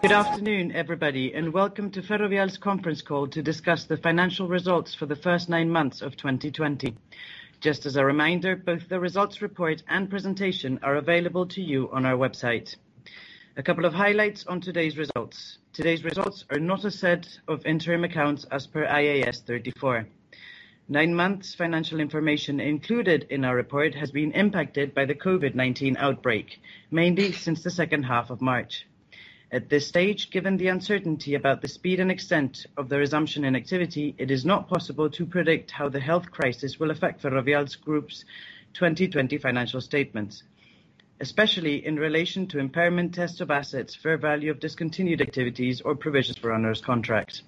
Good afternoon, everybody, and welcome to Ferrovial's conference call to discuss the financial results for the first nine months of 2020. Just as a reminder, both the results report and presentation are available to you on our website. A couple of highlights on today's results. Today's results are not a set of interim accounts as per IAS 34. Nine months' financial information included in our report has been impacted by the COVID-19 outbreak, mainly since the second half of March. At this stage, given the uncertainty about the speed and extent of the resumption in activity, it is not possible to predict how the health crisis will affect Ferrovial Group's 2020 financial statements, especially in relation to impairment tests of assets, fair value of discontinued activities, or provisions for onerous contracts.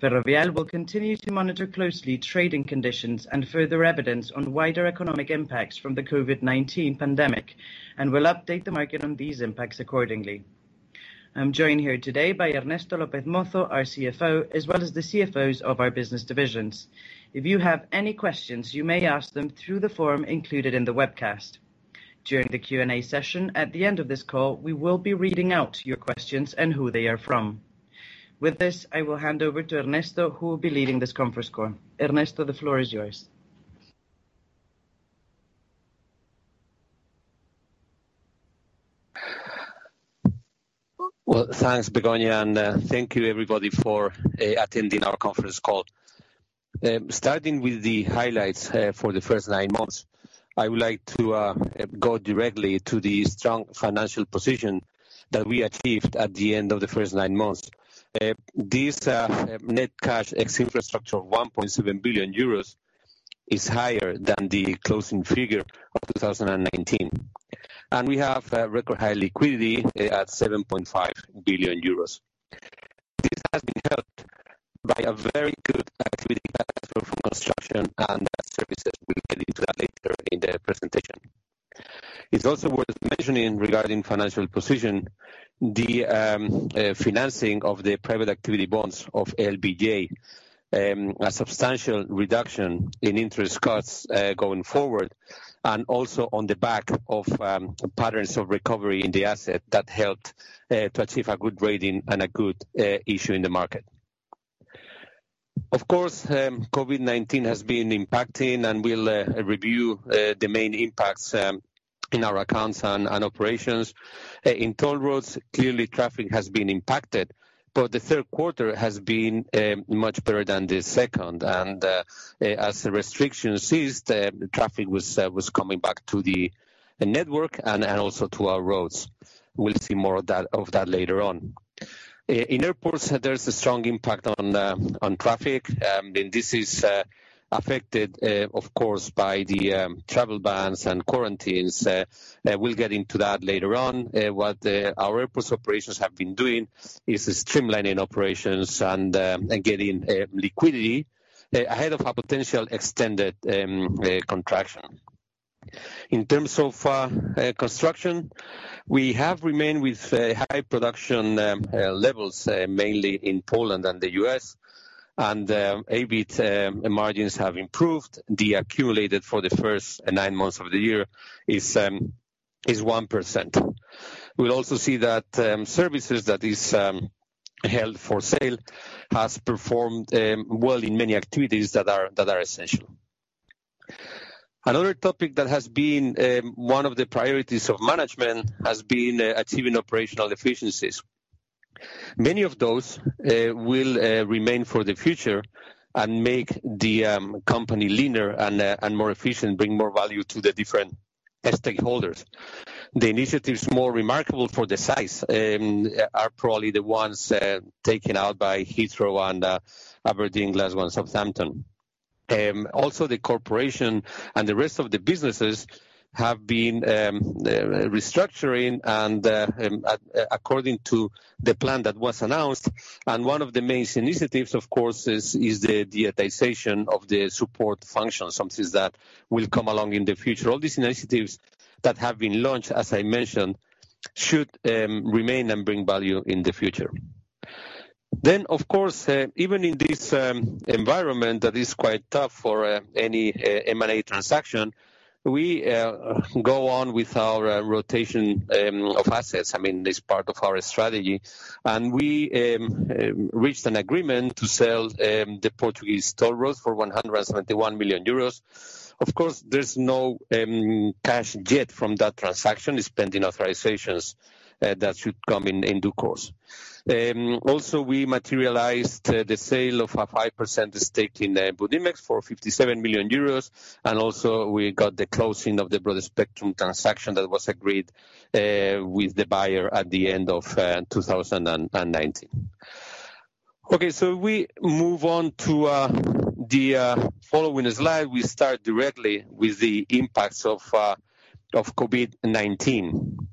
Ferrovial will continue to monitor closely trading conditions and further evidence on wider economic impacts from the COVID-19 pandemic, and will update the market on these impacts accordingly. I'm joined here today by Ernesto López Mozo, our CFO, as well as the CFOs of our business divisions. If you have any questions, you may ask them through the form included in the webcast. During the Q&A session at the end of this call, we will be reading out your questions and who they are from. With this, I will hand over to Ernesto, who will be leading this conference call. Ernesto, the floor is yours. Well, thanks, Begoña. Thank you everybody for attending our conference call. Starting with the highlights for the first nine months, I would like to go directly to the strong financial position that we achieved at the end of the first nine months. This net cash ex-infrastructure of 1.7 billion euros is higher than the closing figure of 2019. We have record high liquidity at 7.5 billion euros. This has been helped by a very good activity from construction and services. We'll get into that later in the presentation. It's also worth mentioning regarding financial position, the financing of the private activity bonds of LBJ, a substantial reduction in interest costs going forward, and also on the back of patterns of recovery in the asset that helped to achieve a good rating and a good issue in the market. COVID-19 has been impacting. We'll review the main impacts in our accounts and operations. In toll roads, clearly traffic has been impacted. The third quarter has been much better than the second. As the restrictions ceased, traffic was coming back to the network and also to our roads. We'll see more of that later on. In airports, there's a strong impact on traffic. This is affected, of course, by the travel bans and quarantines. We'll get into that later on. What our airports operations have been doing is streamlining operations and getting liquidity ahead of a potential extended contraction. In terms of construction, we have remained with high production levels, mainly in Poland and the U.S. EBIT margins have improved. The accumulated for the first nine months of the year is 1%. We'll also see that services that is held for sale has performed well in many activities that are essential. Another topic that has been one of the priorities of management has been achieving operational efficiencies. Many of those will remain for the future and make the company leaner and more efficient, bring more value to the different stakeholders. The initiatives more remarkable for the size are probably the ones taken out by Heathrow and Aberdeen, Glasgow, and Southampton. The corporation and the rest of the businesses have been restructuring according to the plan that was announced. One of the main initiatives, of course, is the digitization of the support functions, something that will come along in the future. All these initiatives that have been launched, as I mentioned, should remain and bring value in the future. Of course, even in this environment that is quite tough for any M&A transaction, we go on with our rotation of assets. I mean, this is part of our strategy. We reached an agreement to sell the Portuguese toll roads for 171 million euros. Of course, there's no cash yet from that transaction. It's pending authorizations that should come in due course. We materialized the sale of a 5% stake in Budimex for 57 million euros, and also we got the closing of the Broadspectrum transaction that was agreed with the buyer at the end of 2019. We move on to the following slide. We start directly with the impacts of COVID-19.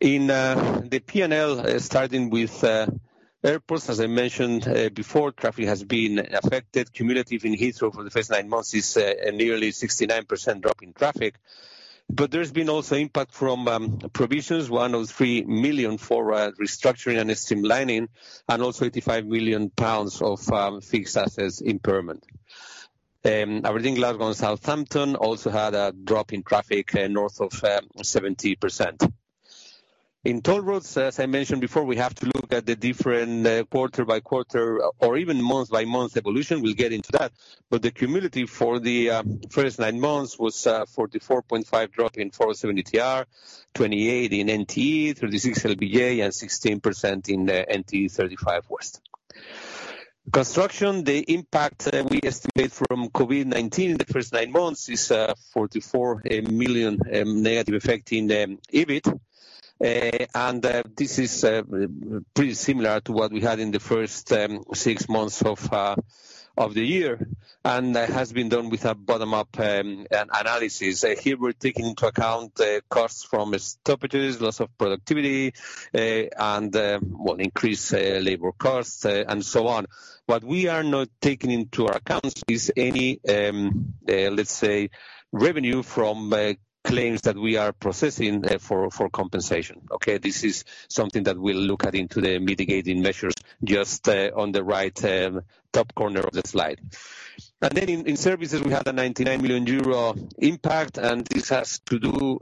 In the P&L, starting with airports, as I mentioned before, traffic has been affected. Cumulative in Heathrow for the first nine months is a nearly 69% drop in traffic. There's been also impact from provisions, 103 million for restructuring and streamlining, and also 85 million pounds of fixed assets impairment. Aberdeen, Glasgow, and Southampton also had a drop in traffic north of 70%. In toll roads, as I mentioned before, we have to look at the different quarter by quarter or even month by month evolution. We'll get into that. The cumulative for the first nine months was a 44.5% drop in 407 ETR, 28% in NTE, 36% in LBJ, and 16% in NTE 35W. Construction, the impact we estimate from COVID-19 in the first nine months is 44 million negative effect in the EBIT. This is pretty similar to what we had in the first six months of the year, and has been done with a bottom-up analysis. Here, we're taking into account the costs from stoppages, loss of productivity, and increased labor costs, and so on. What we are not taking into our accounts is any, let's say, revenue from claims that we are processing for compensation. Okay. This is something that we'll look at into the mitigating measures just on the right top corner of the slide. In services, we had a 99 million euro impact, and this has to do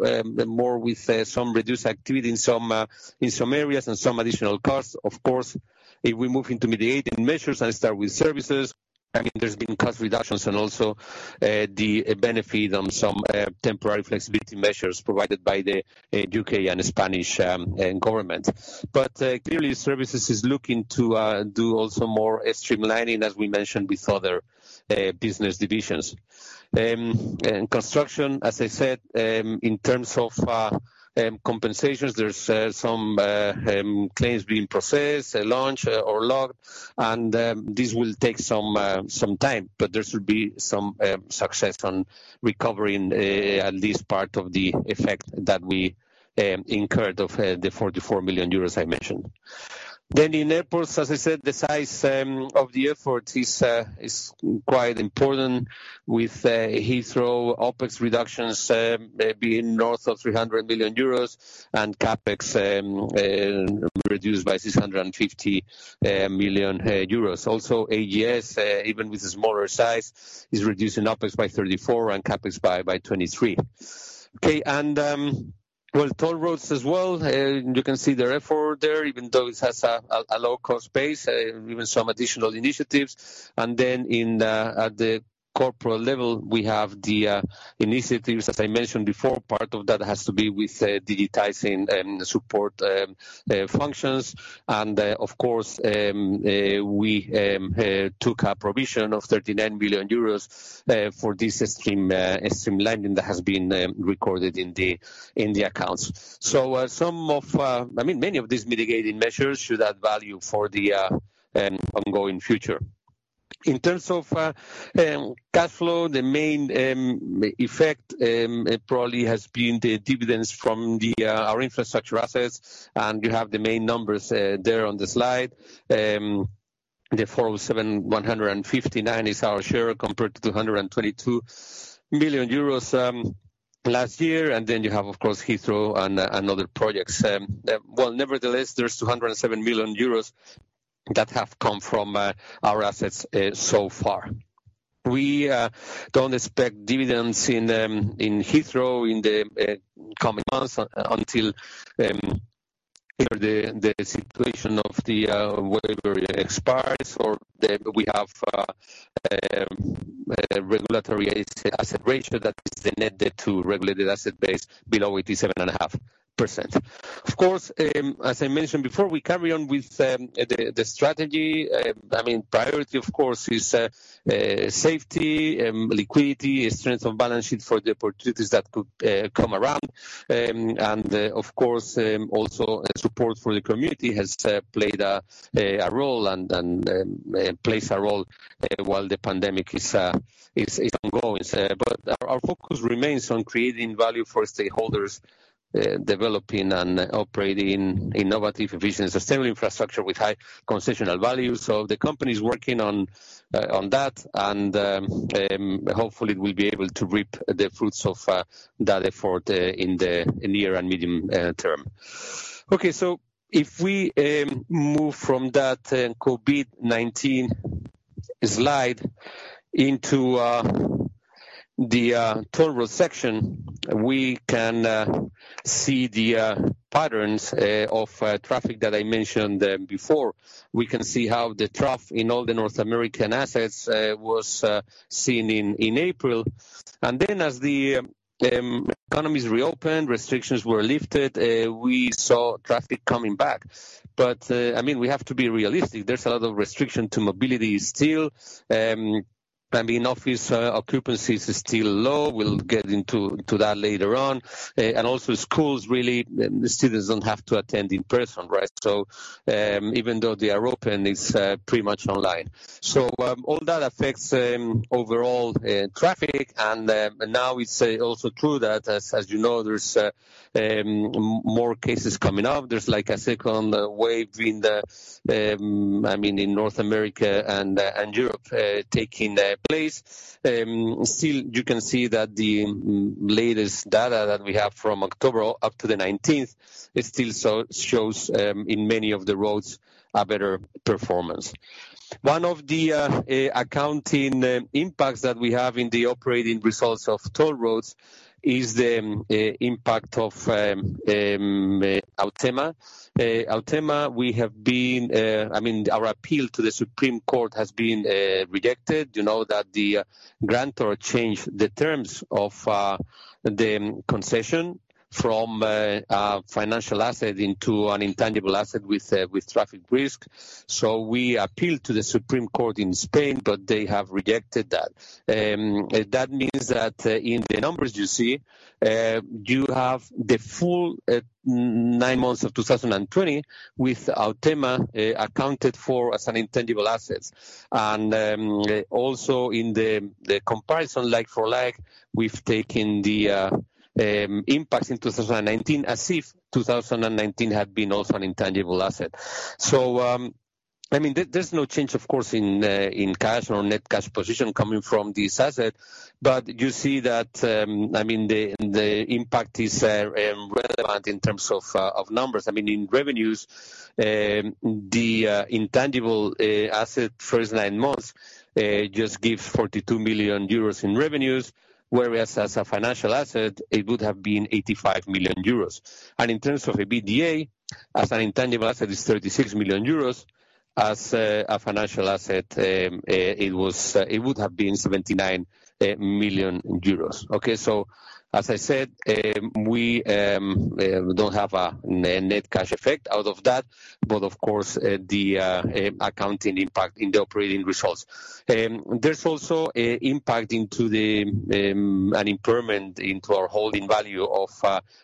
more with some reduced activity in some areas and some additional costs. Of course, if we move into mitigating measures and start with services, there's been cost reductions and also the benefit on some temporary flexibility measures provided by the U.K. and Spanish government. Clearly, services is looking to do also more streamlining, as we mentioned with other business divisions. In construction, as I said, in terms of compensations, there's some claims being processed, launched or logged, and this will take some time, but there should be some success on recovering at least part of the effect that we incurred of the 44 million euros I mentioned. In airports, as I said, the size of the effort is quite important with Heathrow OpEx reductions being north of 300 million euros and CapEx reduced by 650 million euros. AGS, even with the smaller size, is reducing OpEx by 34 and CapEx by 23. Okay. Toll roads as well, you can see the effort there, even though it has a low-cost base, even some additional initiatives. At the corporate level, we have the initiatives. As I mentioned before, part of that has to be with digitizing the support functions. Of course, we took a provision of 39 million euros for this streamlining that has been recorded in the accounts. Many of these mitigating measures should add value for the ongoing future. In terms of cash flow, the main effect probably has been the dividends from our infrastructure assets, and you have the main numbers there on the slide. The 407 159 is our share compared to 222 million euros last year, and then you have, of course, Heathrow and other projects. Well, nevertheless, there's 207 million euros that have come from our assets so far. We don't expect dividends in Heathrow in the coming months until either the situation of the waiver expires or we have a regulatory asset ratio that is the net debt to regulated asset base below 87.5%. Of course, as I mentioned before, we carry on with the strategy. Priority, of course, is safety, liquidity, strength of balance sheet for the opportunities that could come around, and of course, also support for the community has played a role and plays a role while the pandemic is ongoing. Our focus remains on creating value for stakeholders, developing and operating innovative, efficient, sustainable infrastructure with high concessional value. The company is working on that, and hopefully we'll be able to reap the fruits of that effort in the near and medium term. If we move from that COVID-19 slide into the toll road section, we can see the patterns of traffic that I mentioned before. We can see how the trough in all the North American assets was seen in April. As the economies reopened, restrictions were lifted, we saw traffic coming back. We have to be realistic. There's a lot of restriction to mobility still. Office occupancy is still low. We'll get into that later on. Also schools, really, the students don't have to attend in person. Even though they are open, it's pretty much online. All that affects overall traffic. Now it's also true that, as you know, there's more cases coming up. There's a second wave in North America and Europe taking place. Still, you can see that the latest data that we have from October up to the 19th, it still shows in many of the roads a better performance. One of the accounting impacts that we have in the operating results of toll roads is the impact of Autema. Autema, our appeal to the Supreme Court has been rejected. You know that the grantor changed the terms of the concession from a financial asset into an intangible asset with traffic risk. We appealed to the Supreme Court in Spain, but they have rejected that. That means that in the numbers you see, you have the full nine months of 2020 with Autema accounted for as an intangible asset. Also in the comparison like for like, we've taken the impacts in 2019 as if 2019 had been also an intangible asset. There's no change, of course, in cash or net cash position coming from this asset. You see that the impact is relevant in terms of numbers. In revenues, the intangible asset first nine months just gives 42 million euros in revenues, whereas as a financial asset, it would have been 85 million euros. In terms of EBITDA, as an intangible asset, it's EUR 36 million. As a financial asset, it would have been 79 million euros. Okay. As I said, we don't have a net cash effect out of that, but of course, the accounting impact in the operating results. There's also an impairment into our holding value of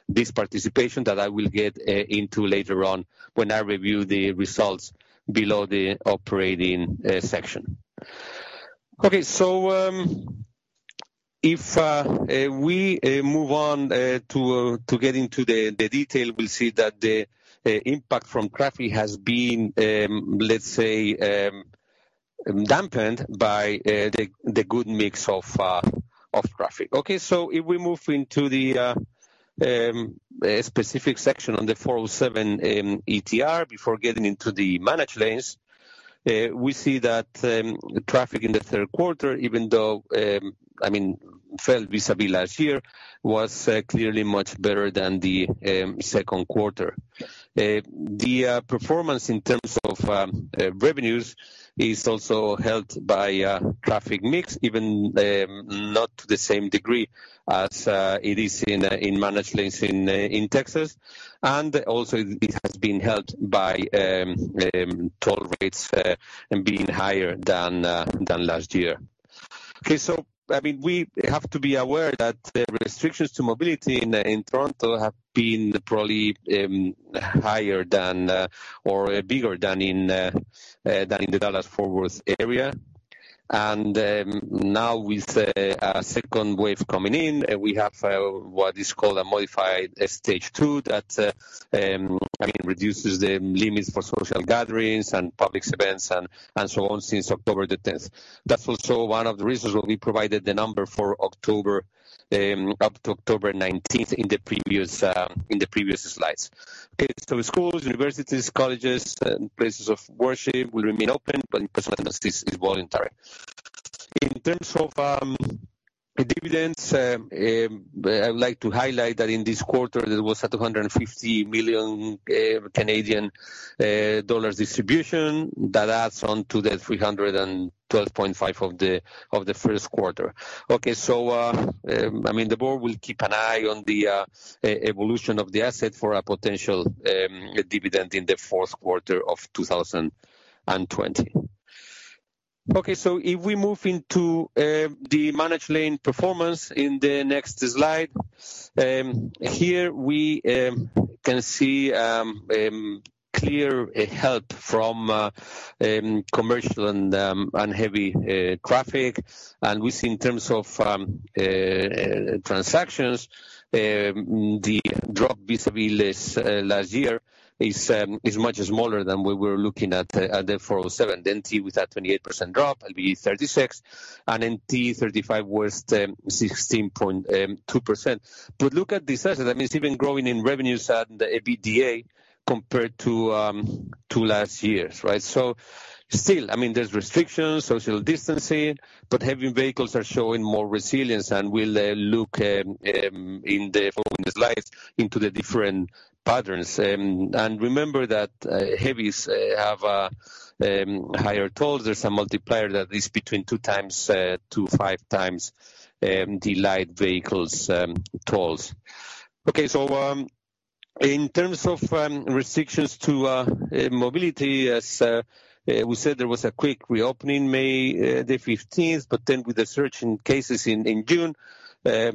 this participation that I will get into later on when I review the results below the operating section. Okay. If we move on to get into the detail, we'll see that the impact from traffic has been, let's say, dampened by the good mix of traffic. Okay. If we move into the specific section on the 407 ETR before getting into the managed lanes, we see that traffic in the third quarter, even though it fell vis-à-vis last year, was clearly much better than the second quarter. The performance in terms of revenues is also helped by traffic mix, even not to the same degree as it is in managed lanes in Texas. Also, it has been helped by toll rates being higher than last year. We have to be aware that the restrictions to mobility in Toronto have been probably higher than or bigger than in the Dallas-Fort Worth area. Now with a second wave coming in, we have what is called a modified Stage 2 that reduces the limits for social gatherings and public events, and so on, since October 10th. That's also one of the reasons why we provided the number for October up to October 19th in the previous slides. Schools, universities, colleges, and places of worship will remain open, but in-person classes is voluntary. In terms of dividends, I would like to highlight that in this quarter, there was a 250 million Canadian dollars distribution. That adds on to the 312.5 of the first quarter. The board will keep an eye on the evolution of the asset for a potential dividend in the fourth quarter of 2020. If we move into the managed lane performance in the next slide. Here we can see clear help from commercial and heavy traffic. We see in terms of transactions, the drop vis-à-vis last year is much smaller than we were looking at the 407 ETR with that 28% drop, LBJ 36%, and NTE 35W was 16.2%. Look at this asset, that means even growing in revenues and the EBITDA compared to last year's. Still, there's restrictions, social distancing, but heavy vehicles are showing more resilience, and we'll look in the following slides into the different patterns. Remember that heavies have higher tolls. There's a multiplier that is between 2x to 5x the light vehicles' tolls. In terms of restrictions to mobility, as we said, there was a quick reopening May the 15th, but then with the surge in cases in June, there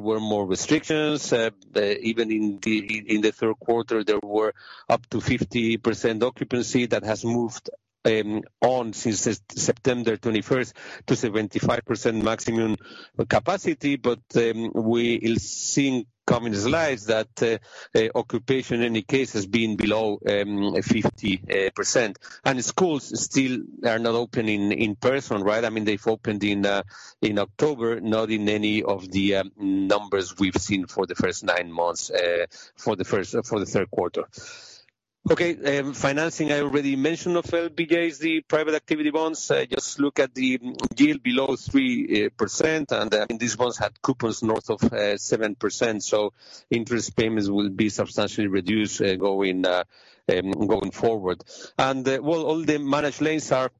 were more restrictions. Even in the third quarter, there were up to 50% occupancy. That has moved on since September 21st to 75% maximum capacity. We will see in coming slides that occupation, in any case, has been below 50%. Schools still are not open in person. They've opened in October, not in any of the numbers we've seen for the first nine months, for the third quarter. Financing, I already mentioned of LBJ is the private activity bonds. Just look at the yield below 3%, and these ones had coupons north of 7%, so interest payments will be substantially reduced going forward. All the managed lanes are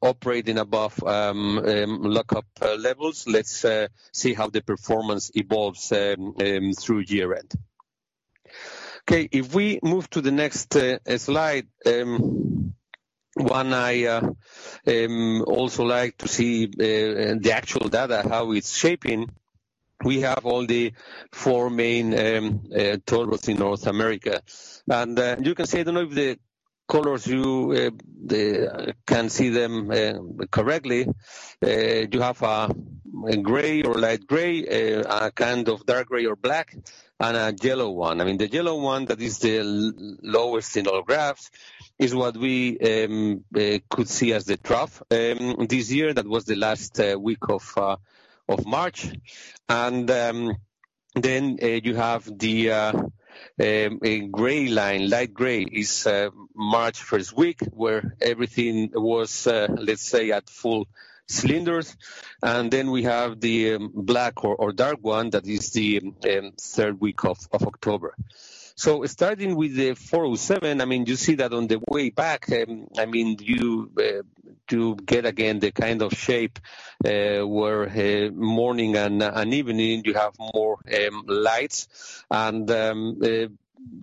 operating above lockup levels. Let's see how the performance evolves through year-end. If we move to the next slide, one I also like to see the actual data, how it's shaping. We have all the four main toll routes in North America. You can see, I don't know if the colors you can see them correctly. You have a gray or light gray, a kind of dark gray or black, and a yellow one. The yellow one, that is the lowest in all graphs, is what we could see as the trough this year. That was the last week of March. You have the gray line, light gray, is March first week, where everything was, let's say, at full cylinders. We have the black or dark one, that is the third week of October. Starting with the 407, you see that on the way back, you do get again the kind of shape where morning and evening you have more lights.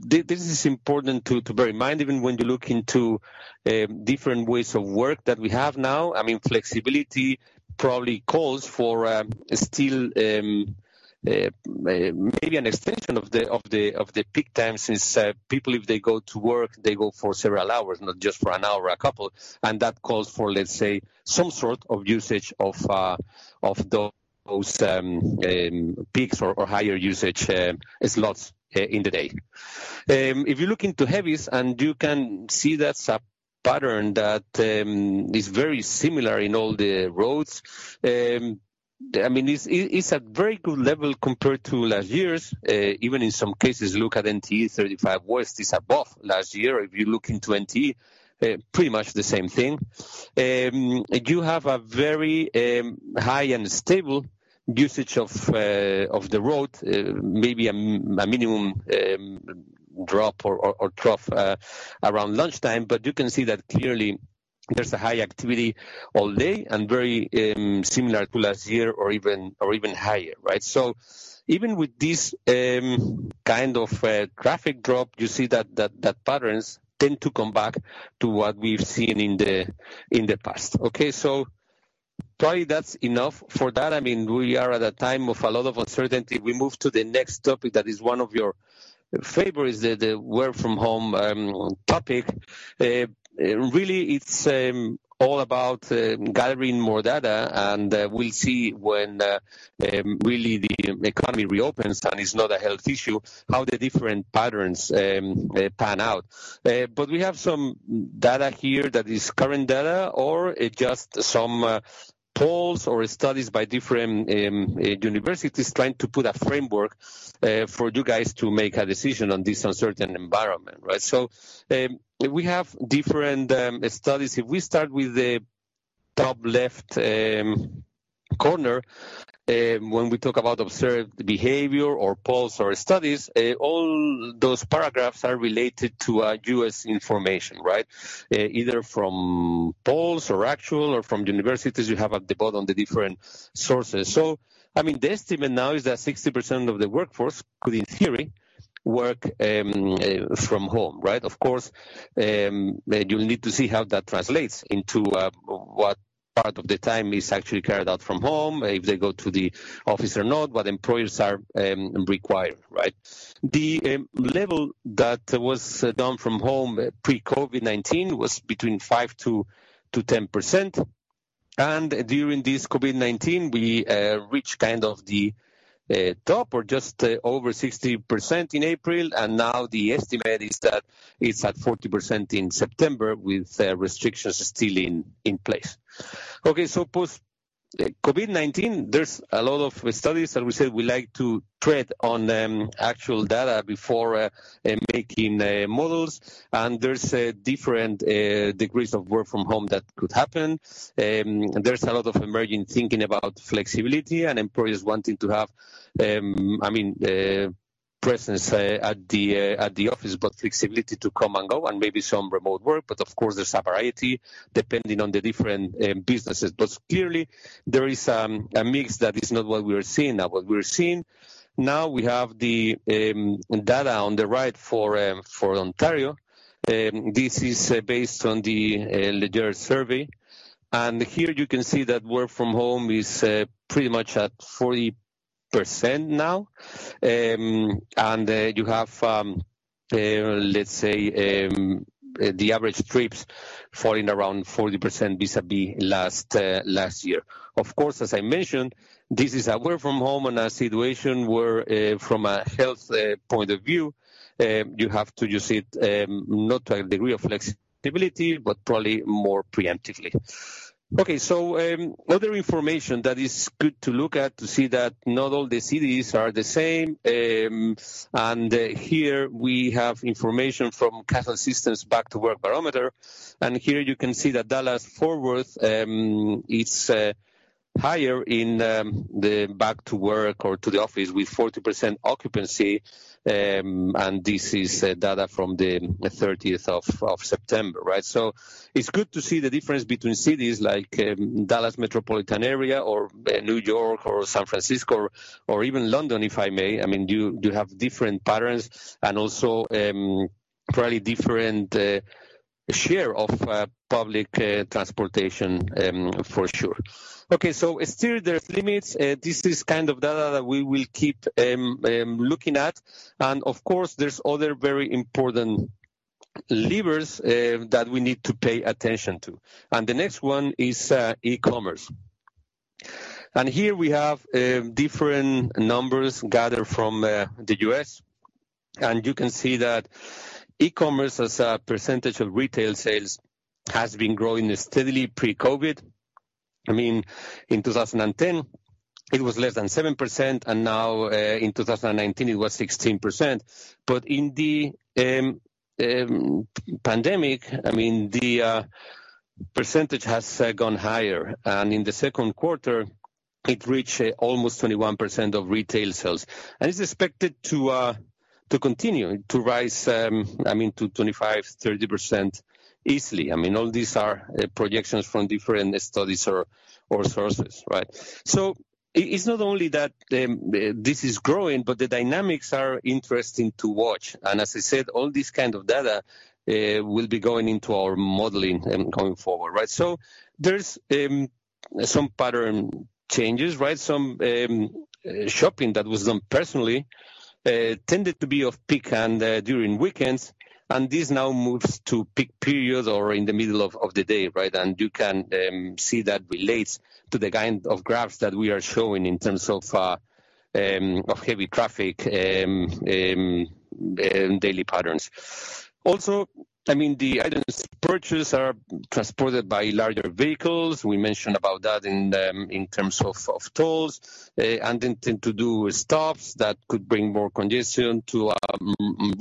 This is important to bear in mind, even when you look into different ways of work that we have now. Flexibility probably calls for still maybe an extension of the peak time, since people, if they go to work, they go for several hours, not just for an hour or a couple. That calls for, let's say, some sort of usage of those peaks or higher usage slots in the day. If you look into heavies, you can see that's a pattern that is very similar in all the roads. It's a very good level compared to last year's. Even in some cases, look at NTE 35W is above last year. If you look into NTE, pretty much the same thing. You have a very high and stable usage of the road, maybe a minimum drop or trough around lunchtime, you can see that clearly there's a high activity all day and very similar to last year or even higher. Even with this kind of traffic drop, you see that patterns tend to come back to what we've seen in the past. Okay, probably that's enough for that. We are at a time of a lot of uncertainty. We move to the next topic that is one of your favorites, the work from home topic. Really, it's all about gathering more data, and we'll see when really the economy reopens, and it's not a health issue, how the different patterns pan out. We have some data here that is current data, or just some polls or studies by different universities trying to put a framework for you guys to make a decision on this uncertain environment. We have different studies. If we start with the top left corner, when we talk about observed behavior or polls or studies, all those paragraphs are related to U.S. information. Either from polls or actual or from universities, you have at the bottom the different sources. The estimate now is that 60% of the workforce could, in theory, work from home. Of course, you'll need to see how that translates into what part of the time is actually carried out from home, if they go to the office or not, what employers are required. The level that was done from home pre-COVID-19 was between 5%-10%. During this COVID-19, we reached kind of the top or just over 60% in April, and now the estimate is that it's at 40% in September with restrictions still in place. Okay. Post-COVID-19, there's a lot of studies, as we said, we like to tread on actual data before making models. There's different degrees of work from home that could happen. There's a lot of emerging thinking about flexibility and employers wanting to have presence at the office, but flexibility to come and go and maybe some remote work. Of course, there's a variety depending on the different businesses. Clearly, there is a mix that is not what we're seeing now. What we're seeing now, we have the data on the right for Ontario. This is based on the Léger survey. Here you can see that work from home is pretty much at 40% now. You have, let's say, the average trips falling around 40% vis-à-vis last year. Of course, as I mentioned, this is a work from home and a situation where, from a health point of view, you have to use it, not to a degree of flexibility, but probably more preemptively. Okay. Other information that is good to look at to see that not all the cities are the same. Here we have information from Kastle Systems Back to Work Barometer. Here you can see that Dallas-Fort Worth, it's higher in the back to work or to the office with 40% occupancy. This is data from the 30th of September, right? It's good to see the difference between cities like Dallas metropolitan area or New York or San Francisco or even London, if I may. You have different patterns and also probably different share of public transportation, for sure. Okay. Still there's limits. This is kind of data that we will keep looking at. Of course, there's other very important levers that we need to pay attention to. The next one is e-commerce. Here we have different numbers gathered from the U.S., and you can see that e-commerce as a percentage of retail sales has been growing steadily pre-COVID-19. In 2010, it was less than 7%, and now in 2019, it was 16%. In the pandemic, the percentage has gone higher, and in the second quarter, it reached almost 21% of retail sales. It's expected to continue to rise, to 25%-30% easily. All these are projections from different studies or sources, right? It's not only that this is growing, but the dynamics are interesting to watch. As I said, all this kind of data will be going into our modeling and going forward, right? There's some pattern changes, right? Some shopping that was done personally tended to be off-peak and during weekends, and this now moves to peak periods or in the middle of the day, right? You can see that relates to the kind of graphs that we are showing in terms of heavy traffic daily patterns. Also, the items purchased are transported by larger vehicles. We mentioned about that in terms of tolls and intend to do stops that could bring more congestion to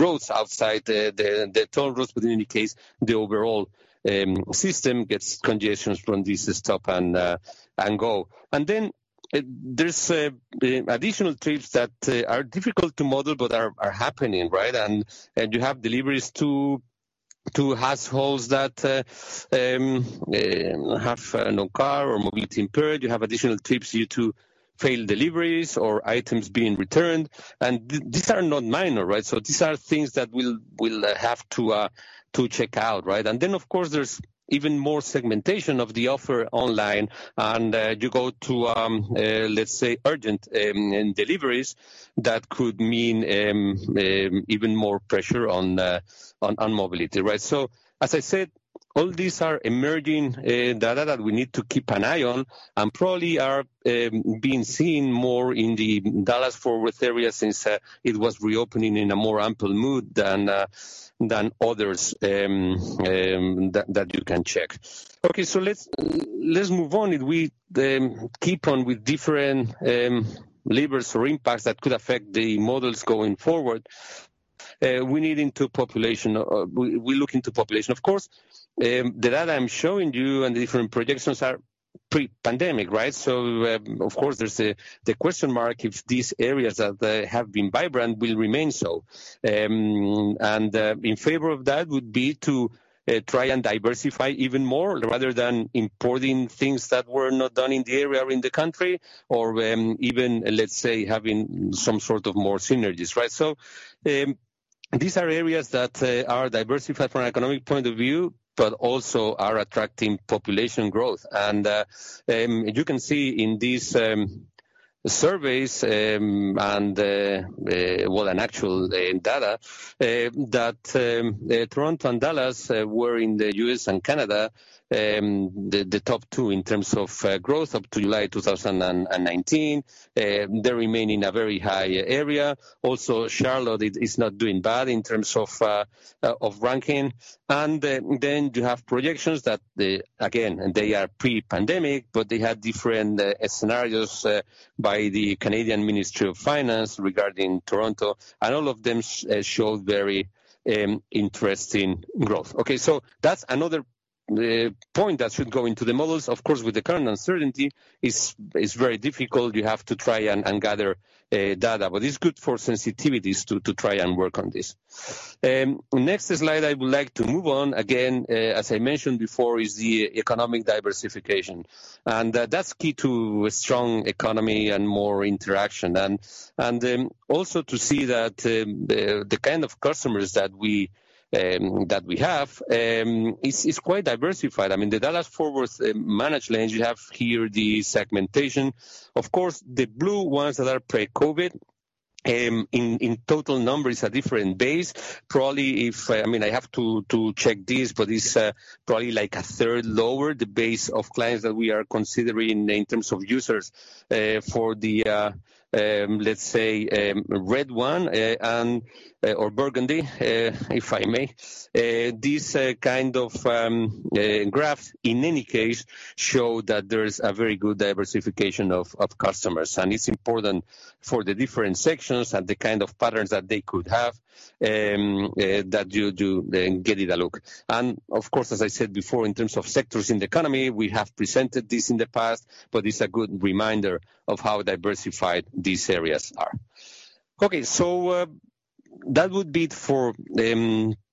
roads outside the toll roads. In any case, the overall system gets congestions from this stop and go. Then there's additional trips that are difficult to model but are happening, right? You have deliveries to households that have no car or mobility impaired. You have additional trips due to failed deliveries or items being returned. These are not minor, right? These are things that we'll have to check out, right? Then, of course, there's even more segmentation of the offer online. You go to, let's say, urgent deliveries. That could mean even more pressure on mobility, right? As I said, all these are emerging data that we need to keep an eye on and probably are being seen more in the Dallas-Fort Worth area since it was reopening in a more ample mood than others that you can check. Let's move on. If we keep on with different levers or impacts that could affect the models going forward, we look into population. Of course, the data I'm showing you and the different projections are pre-pandemic, right? Of course, there's the question mark if these areas that have been vibrant will remain so. And in favor of that would be to try and diversify even more rather than importing things that were not done in the area or in the country, or even, let's say, having some sort of more synergies, right? These are areas that are diversified from an economic point of view, but also are attracting population growth. You can see in these surveys, and well, in actual data, that Toronto and Dallas were in the U.S. and Canada, the top two in terms of growth up to July 2019. They remain in a very high area. Also, Charlotte is not doing bad in terms of ranking. You have projections that, again, they are pre-pandemic, but they had different scenarios by the Canadian Ministry of Finance regarding Toronto, and all of them show very interesting growth. That's another point that should go into the models, of course, with the current uncertainty, is very difficult. You have to try and gather data. It's good for sensitivities to try and work on this. Next slide I would like to move on. As I mentioned before, is the economic diversification. That's key to a strong economy and more interaction. Also to see that the kind of customers that we have is quite diversified. I mean, the Dallas Fort Worth managed lanes, you have here the segmentation. Of course, the blue ones that are pre-COVID, in total numbers a different base. I have to check this, but it's probably a third lower, the base of clients that we are considering in terms of users for the, let's say, red one or burgundy, if I may. These kind of graphs, in any case, show that there is a very good diversification of customers. It's important for the different sections and the kind of patterns that they could have, that you do get it a look. Of course, as I said before, in terms of sectors in the economy, we have presented this in the past, but it's a good reminder of how diversified these areas are. Okay. That would be it for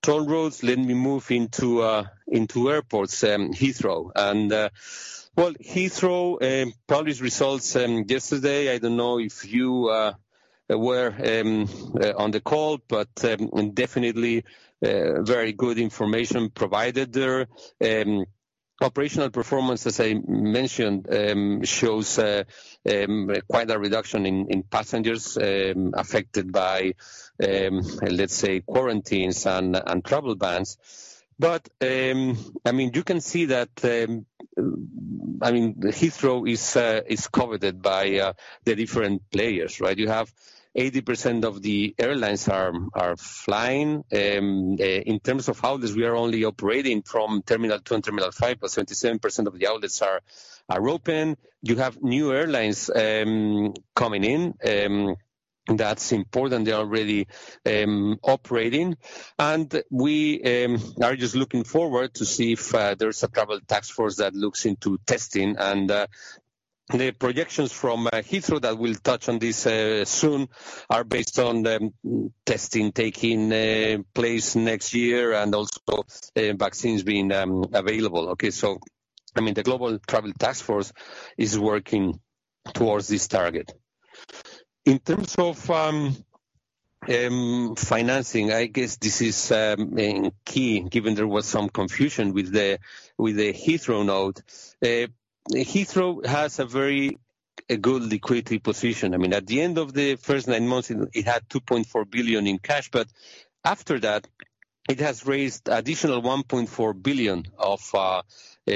toll roads. Let me move into airports, Heathrow. Well, Heathrow published results yesterday. I don't know if you were on the call, definitely very good information provided there. Operational performance, as I mentioned, shows quite a reduction in passengers affected by, let's say, quarantines and travel bans. You can see that Heathrow is coveted by the different players, right? You have 80% of the airlines are flying. In terms of outlets, we are only operating from Terminal 2 and Terminal 5, 77% of the outlets are open. You have new airlines coming in. That's important. They are already operating. We are just looking forward to see if there's a Global Travel Taskforce that looks into testing. The projections from Heathrow that we'll touch on this soon are based on testing taking place next year and also vaccines being available. The Global Travel Taskforce is working towards this target. In terms of financing, I guess this is key given there was some confusion with the Heathrow note. Heathrow has a very good liquidity position. At the end of the first nine months, it had 2.4 billion in cash, but after that, it has raised additional 1.4 billion of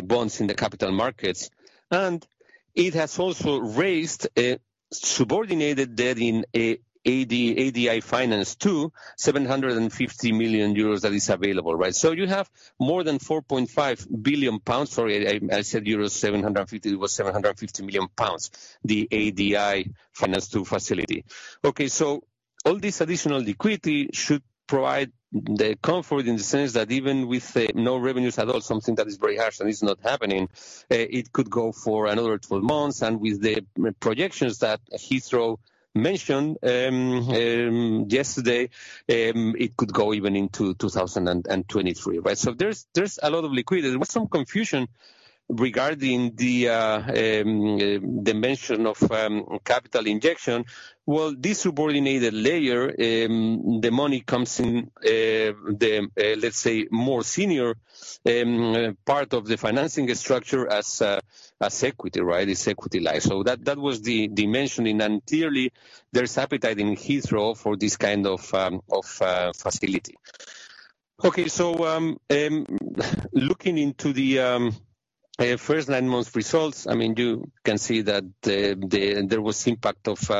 bonds in the capital markets. It has also raised a subordinated debt in ADI Finance 2, 750 million euros that is available, right? You have more than 4.5 billion pounds. Sorry, I said euros 750, it was 750 million pounds, the ADI Finance 2 facility. Okay, all this additional liquidity should provide the comfort in the sense that even with no revenues at all, something that is very harsh and is not happening, it could go for another 12 months. With the projections that Heathrow mentioned yesterday, it could go even into 2023, right? There's a lot of liquidity. There was some confusion regarding the mention of capital injection. This subordinated layer, the money comes in the, let's say, more senior part of the financing structure as equity, right? It's equity-like. That was the mention. Clearly, there's appetite in Heathrow for this kind of facility. Okay. Looking into the first nine months results, you can see that there was impact of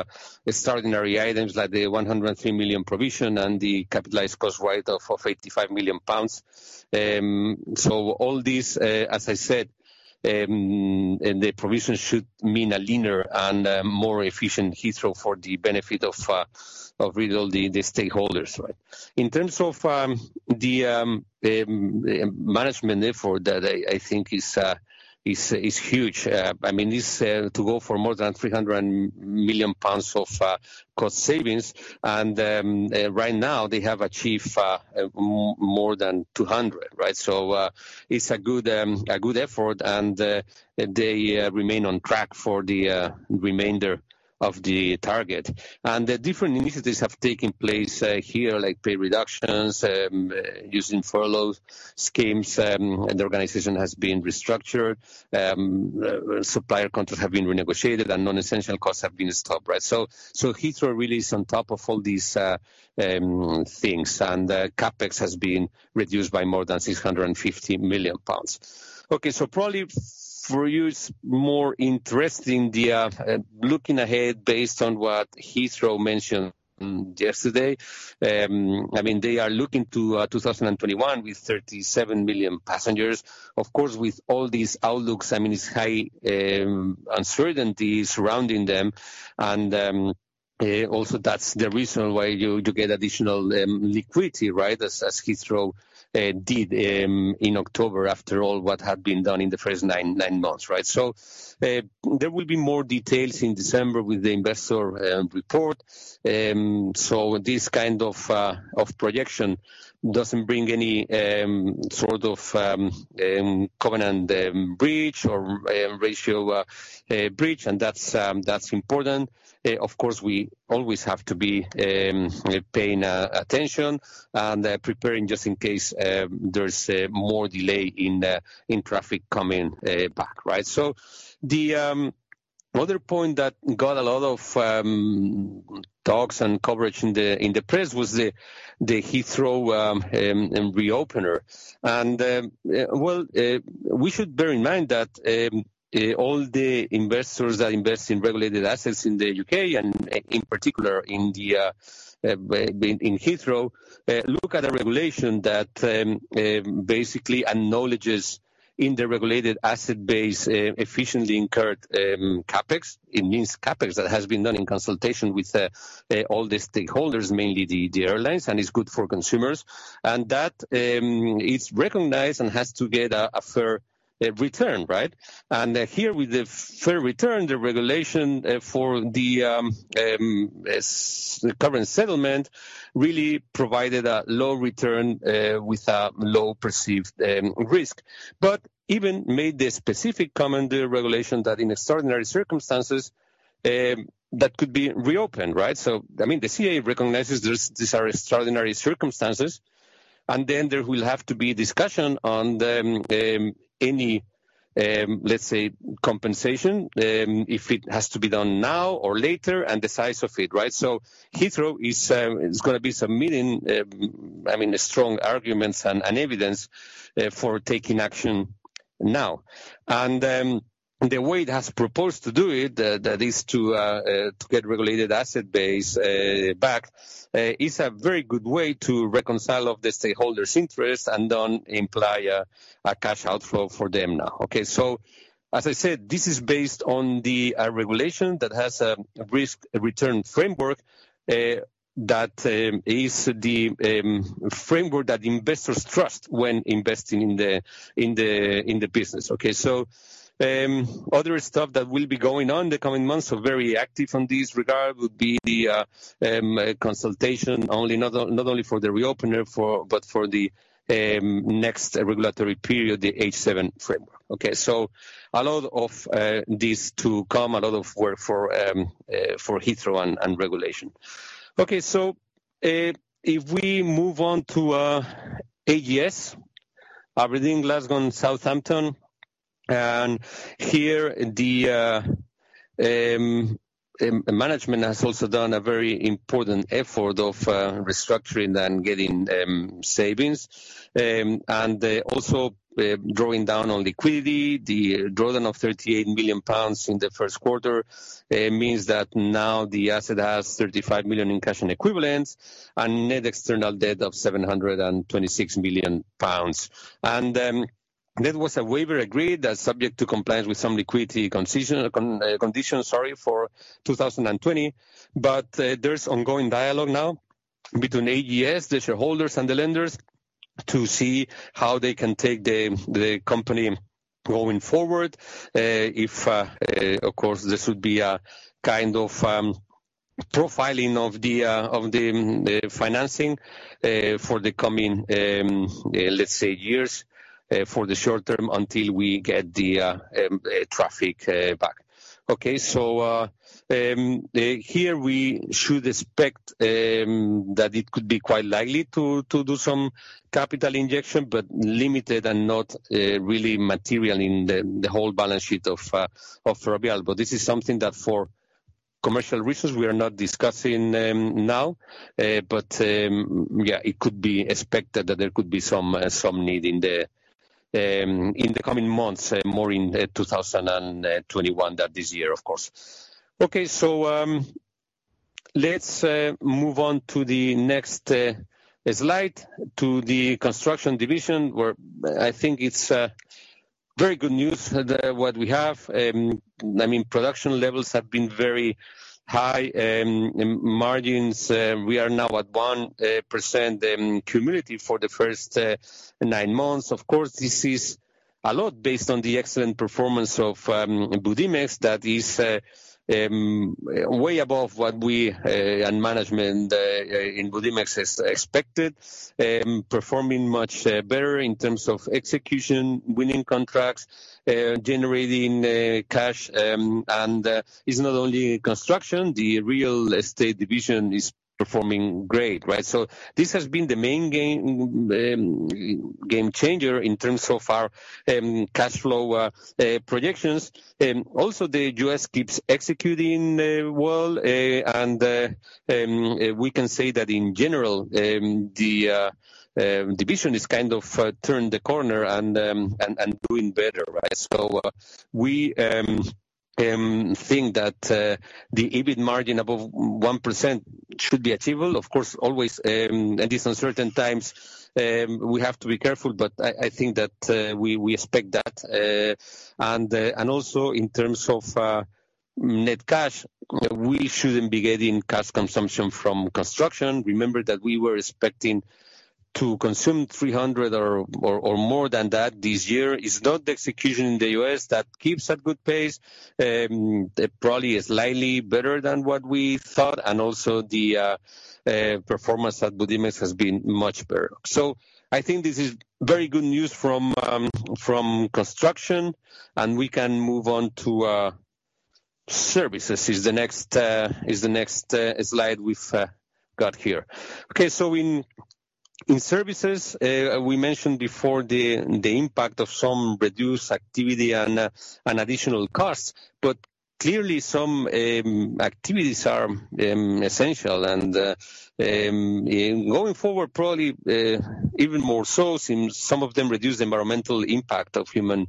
extraordinary items like the 103 million provision and the capitalized cost write-off of 55 million pounds. All this, as I said, the provision should mean a leaner and a more efficient Heathrow for the benefit of really the stakeholders, right? In terms of the management effort that I think is huge. It's to go for more than 300 million pounds of cost savings, and right now they have achieved more than 200 million, right? It's a good effort, and they remain on track for the remainder of the target. The different initiatives have taken place here, like pay reductions, using furlough schemes, and the organization has been restructured. Supplier contracts have been renegotiated and non-essential costs have been stopped, right? Heathrow really is on top of all these things, and the CapEx has been reduced by more than 650 million pounds. Okay. Probably for you, it's more interesting, looking ahead, based on what Heathrow mentioned yesterday. They are looking to 2021 with 37 million passengers. Of course, with all these outlooks, it's high uncertainty surrounding them. Also, that's the reason why you get additional liquidity, right? As Heathrow did in October, after all what had been done in the first nine months, right? There will be more details in December with the investor report. This kind of projection doesn't bring any sort of covenant breach or ratio breach, and that's important. Of course, we always have to be paying attention and preparing just in case there's more delay in traffic coming back, right? The other point that got a lot of talks and coverage in the press was the Heathrow reopener. Well, we should bear in mind that all the investors that invest in regulated assets in the U.K., and in particular in Heathrow, look at a regulation that basically acknowledges in the regulated asset base efficiently incurred CapEx. It means CapEx that has been done in consultation with all the stakeholders, mainly the airlines, and is good for consumers, and that it's recognized and has to get a fair return, right? Here with the fair return, the regulation for the current settlement really provided a low return with a low perceived risk, but even made the specific comment, the regulation, that in extraordinary circumstances, that could be reopened, right? I mean, the CAA recognizes these are extraordinary circumstances, and then there will have to be discussion on any, let's say, compensation, if it has to be done now or later, and the size of it, right? Heathrow is going to be submitting strong arguments and evidence for taking action now. The way it has proposed to do it, that is to get regulated asset base back, is a very good way to reconcile of the stakeholders' interests and don't imply a cash outflow for them now. As I said, this is based on the regulation that has a risk-return framework, that is the framework that investors trust when investing in the business. Other stuff that will be going on in the coming months, so very active on this regard, would be the consultation, not only for the reopener, but for the next regulatory period, the H7 framework. A lot of this to come, a lot of work for Heathrow and regulation. If we move on to AGS, Aberdeen, Glasgow, and Southampton. Here, the management has also done a very important effort of restructuring and getting savings, and also drawing down on liquidity. The drawdown of 38 million pounds in the first quarter means that now the asset has 35 million in cash and equivalents and net external debt of 726 million pounds. There was a waiver agreed that's subject to compliance with some liquidity conditions for 2020. There's ongoing dialogue now between AGS, the shareholders, and the lenders to see how they can take the company going forward. If, of course, this would be a kind of profiling of the financing for the coming, let's say, years, for the short term, until we get the traffic back. Here we should expect that it could be quite likely to do some capital injection, but limited and not really material in the whole balance sheet of Ferrovial. This is something that for commercial reasons, we are not discussing now. Yeah, it could be expected that there could be some need in the coming months, more in 2021 than this year, of course. Okay. Let's move on to the next slide, to the construction division, where I think it's very good news what we have. Production levels have been very high, margins, we are now at 1% cumulative for the first nine months. Of course, this is a lot based on the excellent performance of Budimex, that is way above what we and management in Budimex expected, performing much better in terms of execution, winning contracts, generating cash. It's not only construction, the real estate division is performing great, right? This has been the main game changer in terms of our cash flow projections. The U.S. keeps executing well, and we can say that in general, the division is kind of turned the corner and doing better, right? We think that the EBIT margin above 1% should be achievable. Of course, always, at these uncertain times, we have to be careful, but I think that we expect that. Also in terms of net cash, we shouldn't be getting cash consumption from construction. Remember that we were expecting to consume 300 or more than that this year. It's not the execution in the U.S. that keeps at good pace, probably slightly better than what we thought, and also the performance at Budimex has been much better. I think this is very good news from construction. We can move on to services, is the next slide we've got here. In services, we mentioned before the impact of some reduced activity and additional costs. Clearly, some activities are essential and going forward, probably even more so, since some of them reduce the environmental impact of human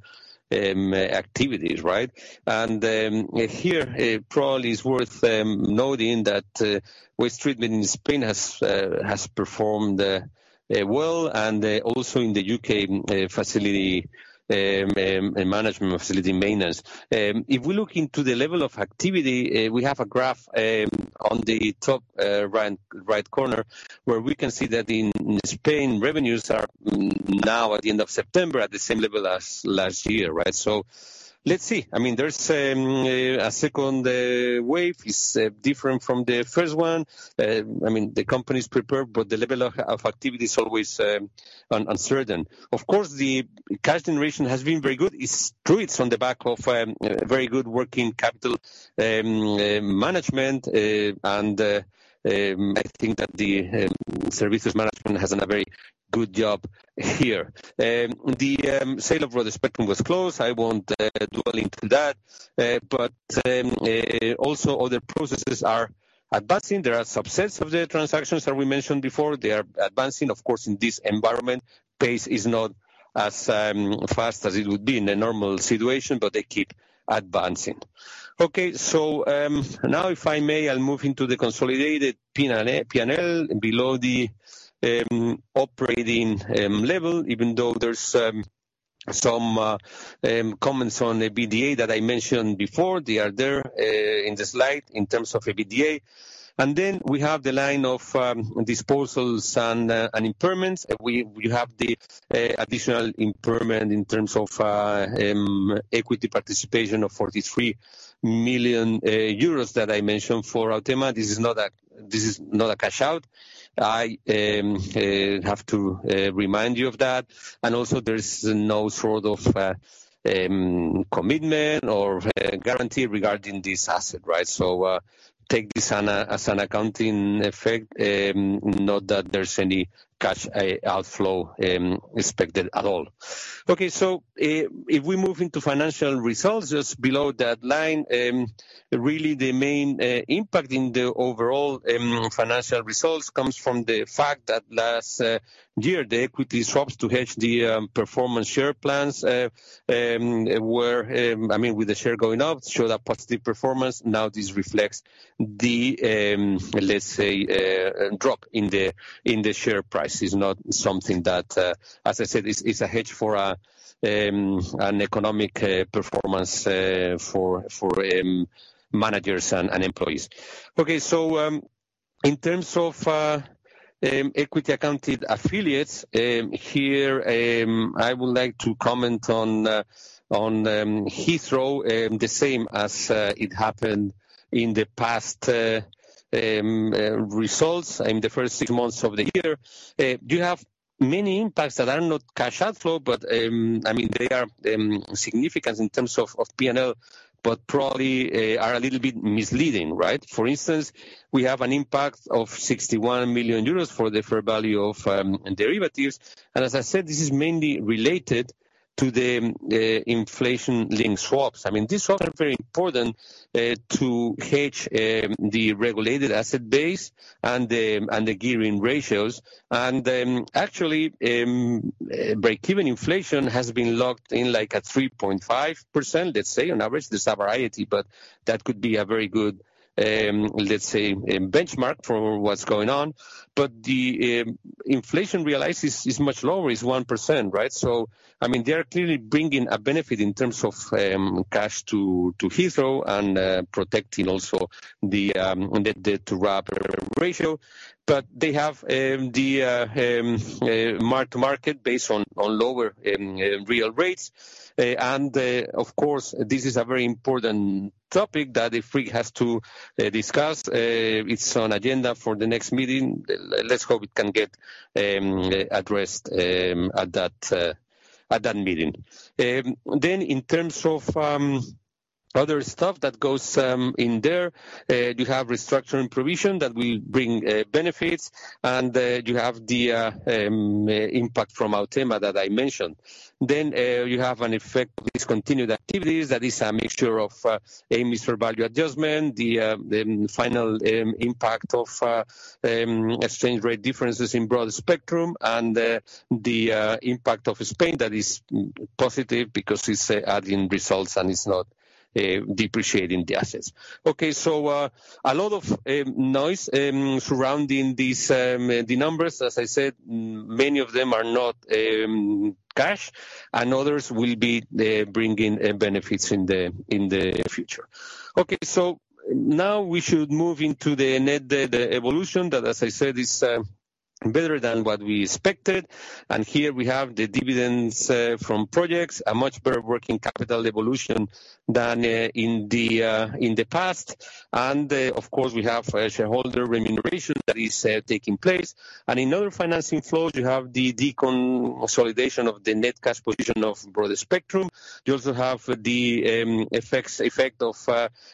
activities. Right? Here, probably it's worth noting that waste treatment in Spain has performed well, and also in the U.K. management facility maintenance. If we look into the level of activity, we have a graph on the top right corner, where we can see that in Spain, revenues are now at the end of September at the same level as last year. Right? Let's see. There's a second wave. It's different from the first one. The company is prepared, but the level of activity is always uncertain. Of course, the cash generation has been very good. It's true, it's on the back of very good working capital management, and I think that the services management has done a very good job here. The sale of Broadspectrum was closed. I won't dwell into that. Also, other processes are advancing. There are subsets of the transactions, as we mentioned before. They are advancing, of course, in this environment, pace is not as fast as it would be in a normal situation, but they keep advancing. Okay. Now, if I may, I'll move into the consolidated P&L below the operating level, even though there's some comments on the EBITDA that I mentioned before. They are there in the slide in terms of EBITDA. We have the line of disposals and impairments. We have the additional impairment in terms of equity participation of 43 million euros that I mentioned for Autema. This is not a cash-out. I have to remind you of that. Also, there's no sort of commitment or guarantee regarding this asset. Right. Take this as an accounting effect, not that there's any cash outflow expected at all. If we move into financial results just below that line, really the main impact in the overall financial results comes from the fact that last year, the equity swaps to hedge the performance share plans, with the share going up, showed a positive performance. This reflects the, let's say, drop in the share price. As I said, it's a hedge for an economic performance for managers and employees. In terms of equity accounted affiliates, here, I would like to comment on Heathrow, the same as it happened in the past results, in the first six months of the year. You have many impacts that are not cash outflow, but they are significant in terms of P&L, but probably are a little bit misleading. For instance, we have an impact of 61 million euros for the fair value of derivatives, and as I said, this is mainly related to the inflation-linked swaps. These swaps are very important to hedge the regulated asset base and the gearing ratios. Actually, breakeven inflation has been locked in, like at 3.5%, let's say, on average. There's a variety, that could be a very good, let's say, benchmark for what's going on. The inflation realized is much lower, it's 1%. They are clearly bringing a benefit in terms of cash to Heathrow and protecting also the debt-to-RAB ratio. They have the mark-to-market based on lower real rates. Of course, this is a very important topic that the IFRIC has to discuss. It's on agenda for the next meeting. Let's hope it can get addressed at that meeting. In terms of other stuff that goes in there, you have restructuring provision that will bring benefits, and you have the impact from Autema that I mentioned. You have an effect of discontinued activities, that is a mixture of fair value adjustment, the final impact of exchange rate differences in Broadspectrum, and the impact of Spain that is positive because it's adding results, and it's not depreciating the assets. A lot of noise surrounding the numbers. As I said, many of them are not cash, and others will be bringing benefits in the future. Okay. Now we should move into the net debt evolution that, as I said, is better than what we expected. Here we have the dividends from projects, a much better working capital evolution than in the past. Of course, we have shareholder remuneration that is taking place. In other financing flows, you have the deconsolidation of the net cash position of Broadspectrum. You also have the effect of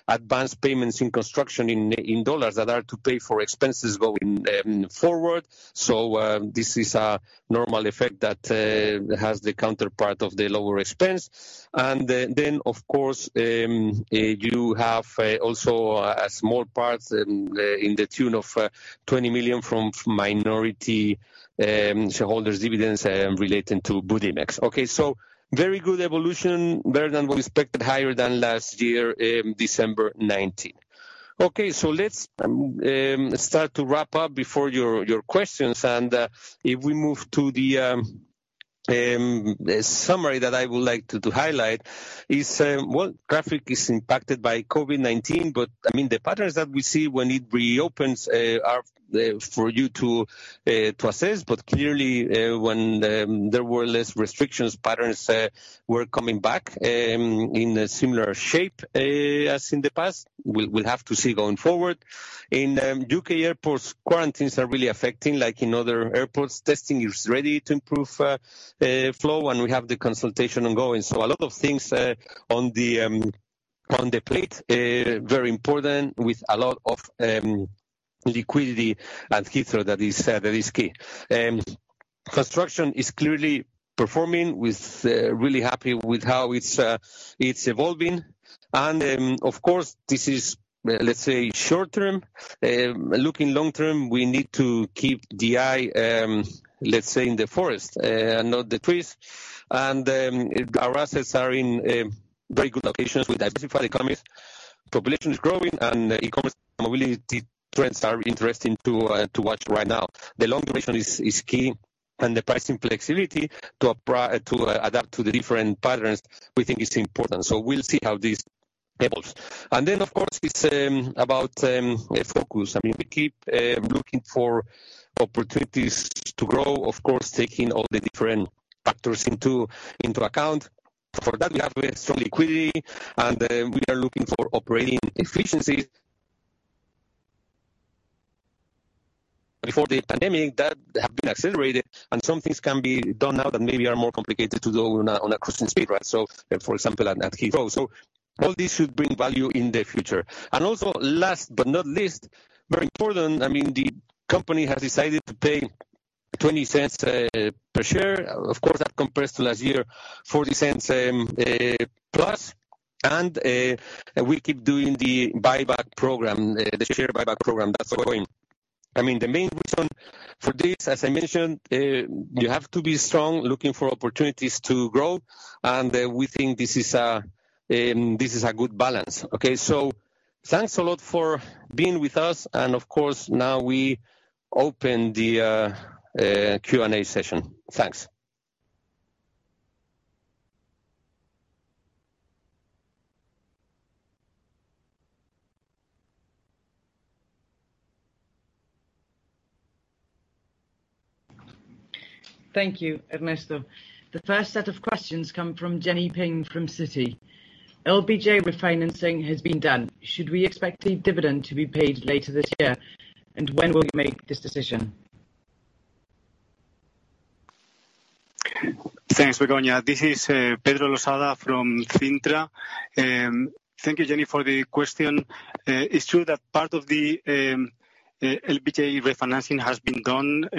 advanced payments in construction in dollars that are to pay for expenses going forward. This is a normal effect that has the counterpart of the lower expense. Of course, you have also a small part in the tune of 20 million from minority shareholders' dividends relating to Budimex. Very good evolution, better than what we expected, higher than last year, December 2019. Let's start to wrap up before your questions. If we move to the summary that I would like to highlight is, one, traffic is impacted by COVID-19, but the patterns that we see when it reopens are for you to assess. Clearly, when there were less restrictions, patterns were coming back in a similar shape as in the past. We'll have to see going forward. In U.K. airports, quarantines are really affecting, like in other airports. Testing is ready to improve flow, and we have the consultation ongoing. A lot of things on the plate, very important, with a lot of liquidity at Heathrow that is key. Construction is clearly performing. Really happy with how it's evolving. Of course, this is let's say short term. Looking long term, we need to keep the eye, let's say, in the forest and not the trees. Our assets are in very good locations with diversified economies. Population is growing. E-commerce and mobility trends are interesting to watch right now. The long duration is key. The pricing flexibility to adapt to the different patterns we think is important. We'll see how this evolves. Of course, it's about focus. We keep looking for opportunities to grow, of course, taking all the different factors into account. For that, we have strong liquidity, and we are looking for operating efficiencies. Before the pandemic that have been accelerated, and some things can be done now that maybe are more complicated to do on a cruising speed, right? For example, at Heathrow. All this should bring value in the future. Last but not least, very important, the company has decided to pay 0.20 per share. Of course, that compares to last year, 0.40+, and we keep doing the share buyback program. That's the point. The main reason for this, as I mentioned, you have to be strong, looking for opportunities to grow, and we think this is a good balance. Okay, thanks a lot for being with us, and of course, now we open the Q&A session. Thanks. Thank you, Ernesto. The first set of questions come from Jenny Ping from Citi. LBJ refinancing has been done. Should we expect the dividend to be paid later this year? When will you make this decision? Thanks, Begoña. This is Pedro Losada from Cintra. Thank you, Jenny, for the question. It's true that part of the LBJ refinancing has been done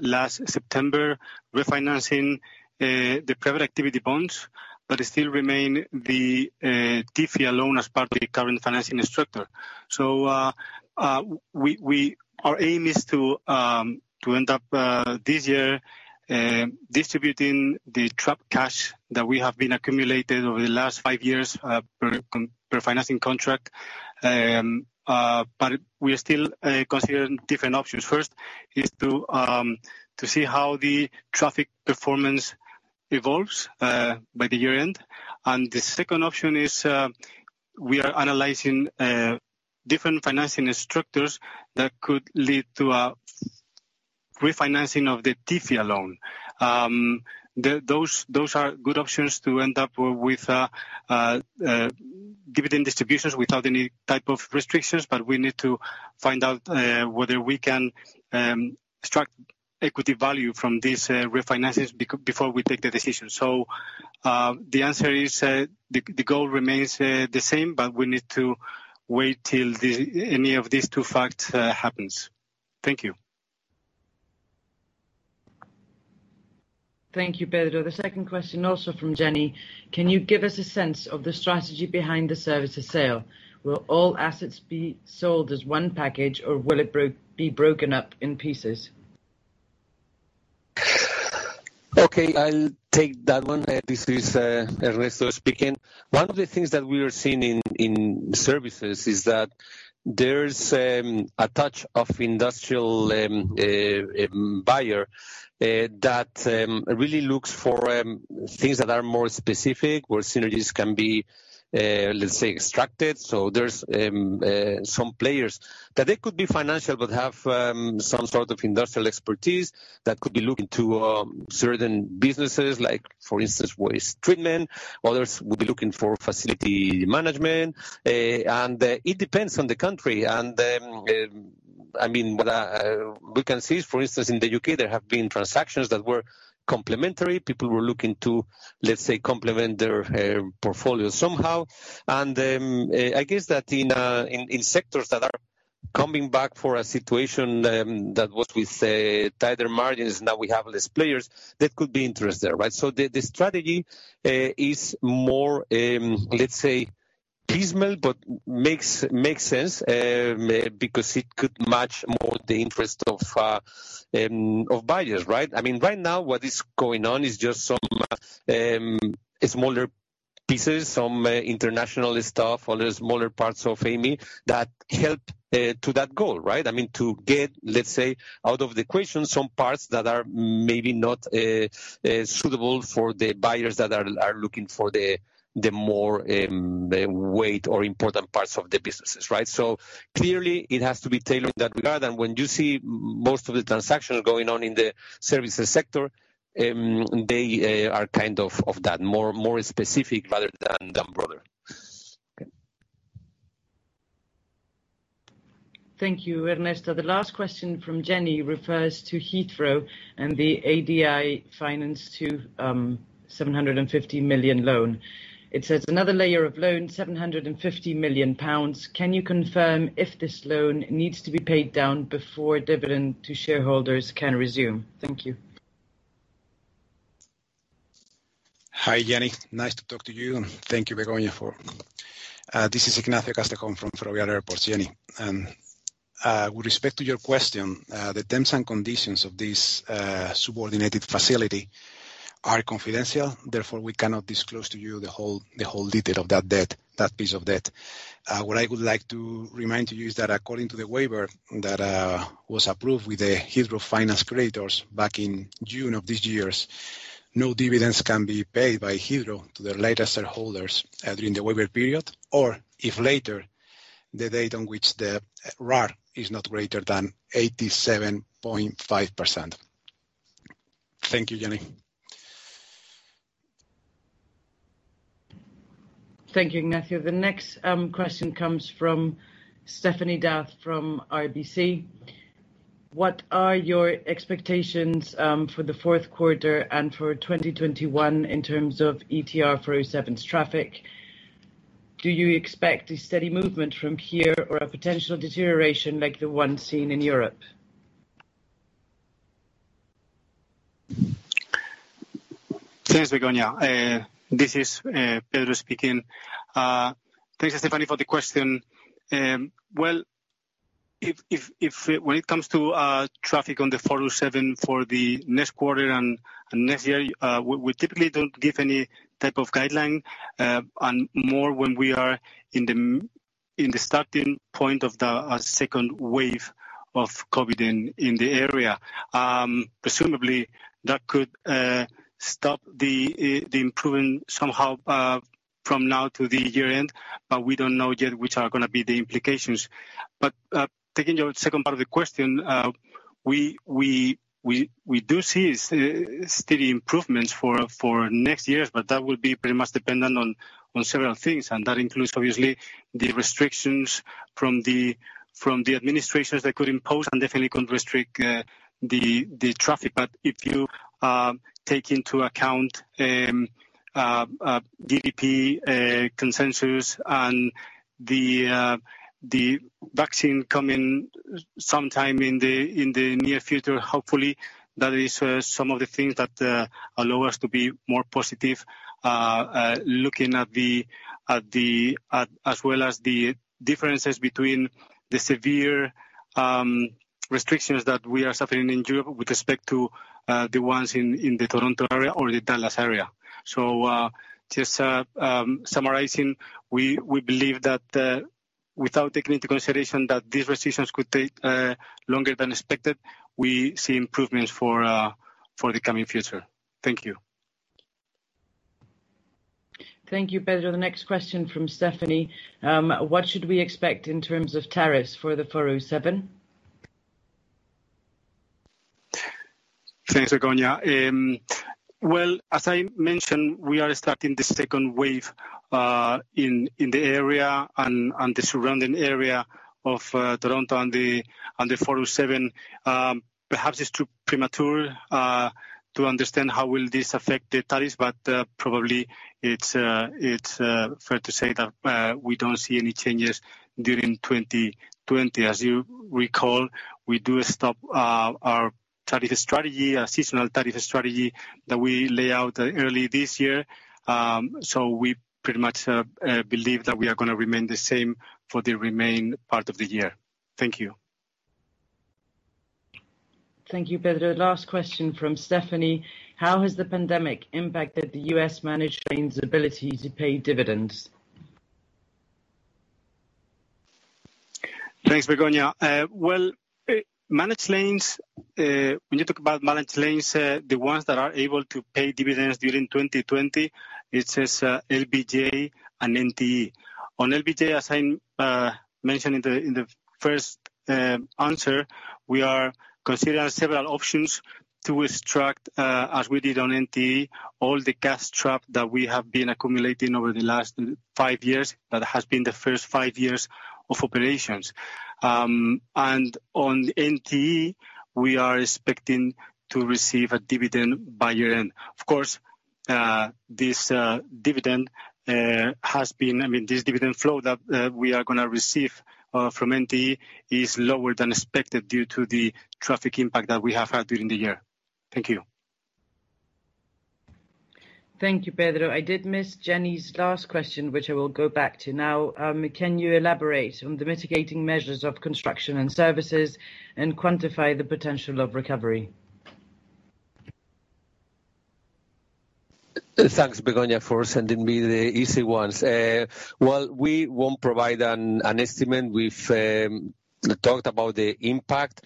last September, refinancing the private activity bonds, but still remain the TIFIA loan as part of the current financing structure. Our aim is to end up this year distributing the trapped cash that we have been accumulating over the last five years per financing contract. We are still considering different options. First is to see how the traffic performance evolves by the year-end. The second option is we are analyzing different financing structures that could lead to a refinancing of the TIFIA loan. Those are good options to end up with dividend distributions without any type of restrictions, but we need to find out whether we can extract equity value from these refinances before we take the decision. The answer is the goal remains the same, but we need to wait till any of these two facts happens. Thank you. Thank you, Pedro. The second question, also from Jenny. Can you give us a sense of the strategy behind the service sale? Will all assets be sold as one package, or will it be broken up in pieces? Okay, I'll take that one. This is Ernesto speaking. One of the things that we are seeing in services is that there's a type of industrial buyer that really looks for things that are more specific, where synergies can be, let's say, extracted. There's some players that they could be financial but have some sort of industrial expertise that could be looking to certain businesses like, for instance, waste treatment. Others will be looking for facility management. It depends on the country. What we can see, for instance, in the U.K., there have been transactions that were complementary. People were looking to, let's say, complement their portfolio somehow. I guess that in sectors that are coming back for a situation that what we say tighter margins, now we have less players, that could be interest there. The strategy is more piecemeal but makes sense because it could match more the interest of buyers. Right now what is going on is just some smaller pieces, some international stuff, other smaller parts of Amey that help to that goal. To get, let's say, out of the equation some parts that are maybe not suitable for the buyers that are looking for the more weight or important parts of the businesses. Clearly it has to be tailored in that regard, and when you see most of the transactions going on in the services sector, they are that, more specific rather than broader. Thank you, Ernesto. The last question from Jenny refers to Heathrow and the ADI Finance 2 750 million loan. It says, "Another layer of loan, 750 million pounds. Can you confirm if this loan needs to be paid down before dividend to shareholders can resume? Thank you. Hi, Jenny. Nice to talk to you, and thank you, Begoña. This is Ignacio Castejón from Ferrovial Airports, Jenny. With respect to your question, the terms and conditions of this subordinated facility are confidential, therefore, we cannot disclose to you the whole detail of that piece of debt. What I would like to remind to you is that according to the waiver that was approved with the Heathrow Finance creditors back in June of this year, no dividends can be paid by Heathrow to their latest shareholders during the waiver period or if later the date on which the RAR is not greater than 87.5%. Thank you, Jenny. Thank you, Ignacio. The next question comes from Stéphanie D'Ath from RBC. What are your expectations for the fourth quarter and for 2021 in terms of ETR for 407 ETR's traffic? Do you expect a steady movement from here or a potential deterioration like the one seen in Europe? Thanks, Begoña. This is Pedro speaking. Thanks, Stéphanie, for the question. Well, when it comes to traffic on the 407 for the next quarter and next year, we typically don't give any type of guideline, and more when we are in the starting point of the second wave of COVID-19 in the area. Presumably, that could stop the improving somehow from now to the year-end, but we don't know yet which are going to be the implications. Taking your second part of the question, we do see steady improvements for next year, but that will be pretty much dependent on several things, and that includes, obviously, the restrictions from the administrations that could impose and definitely could restrict the traffic. If you take into account GDP consensus and the vaccine coming sometime in the near future, hopefully, that is some of the things that allow us to be more positive, looking as well as the differences between the severe restrictions that we are suffering in Europe with respect to the ones in the Toronto area or the Dallas area. Just summarizing, we believe that without taking into consideration that these restrictions could take longer than expected, we see improvements for the coming future. Thank you. Thank you, Pedro. The next question from Stéphanie: "What should we expect in terms of tariffs for the 407? Thanks, Begoña. As I mentioned, we are starting the second wave in the area and the surrounding area of Toronto and the 407. Perhaps it's too premature to understand how will this affect the tariffs, probably it's fair to say that we don't see any changes during 2020. As you recall, we do stop our tariff strategy, our seasonal tariff strategy that we lay out early this year. We pretty much believe that we are going to remain the same for the remaining part of the year. Thank you. Thank you, Pedro. Last question from Stéphanie. How has the pandemic impacted the U.S. managed lanes ability to pay dividends? Thanks, Begoña. When you talk about managed lanes, the ones that are able to pay dividends during 2020, it says LBJ and NTE. On LBJ, as I mentioned in the first answer, we are considering several options to extract, as we did on NTE, all the cash trap that we have been accumulating over the last five years, that has been the first five years of operations. On NTE, we are expecting to receive a dividend by year-end. Of course, this dividend flow that we are going to receive from NTE is lower than expected due to the traffic impact that we have had during the year. Thank you. Thank you, Pedro. I did miss Jenny's last question, which I will go back to now. Can you elaborate on the mitigating measures of construction and services and quantify the potential of recovery? Thanks, Begoña, for sending me the easy ones. We won't provide an estimate. We've talked about the impact.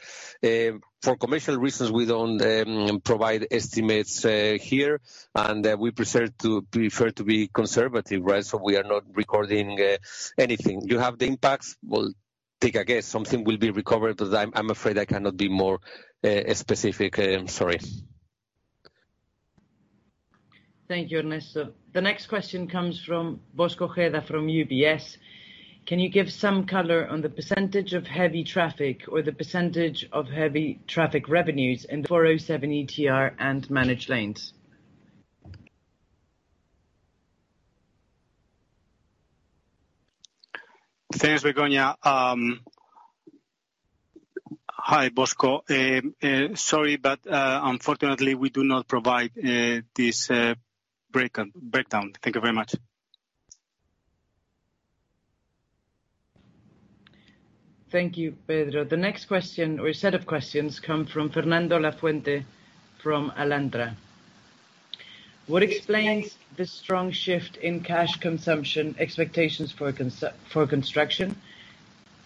For commercial reasons, we don't provide estimates here, and we prefer to be conservative, so we are not recording anything. You have the impacts. Take a guess. Something will be recovered, but I'm afraid I cannot be more specific. I'm sorry. Thank you, Ernesto. The next question comes from Bosco Ojeda from UBS. Can you give some color on the % of heavy traffic or the % of heavy traffic revenues in the 407 ETR and managed lanes? Thanks, Begoña. Hi, Bosco. Sorry, unfortunately we do not provide this breakdown. Thank you very much. Thank you, Pedro. The next question or set of questions come from Fernando Lafuente from Alantra. What explains the strong shift in cash consumption expectations for construction?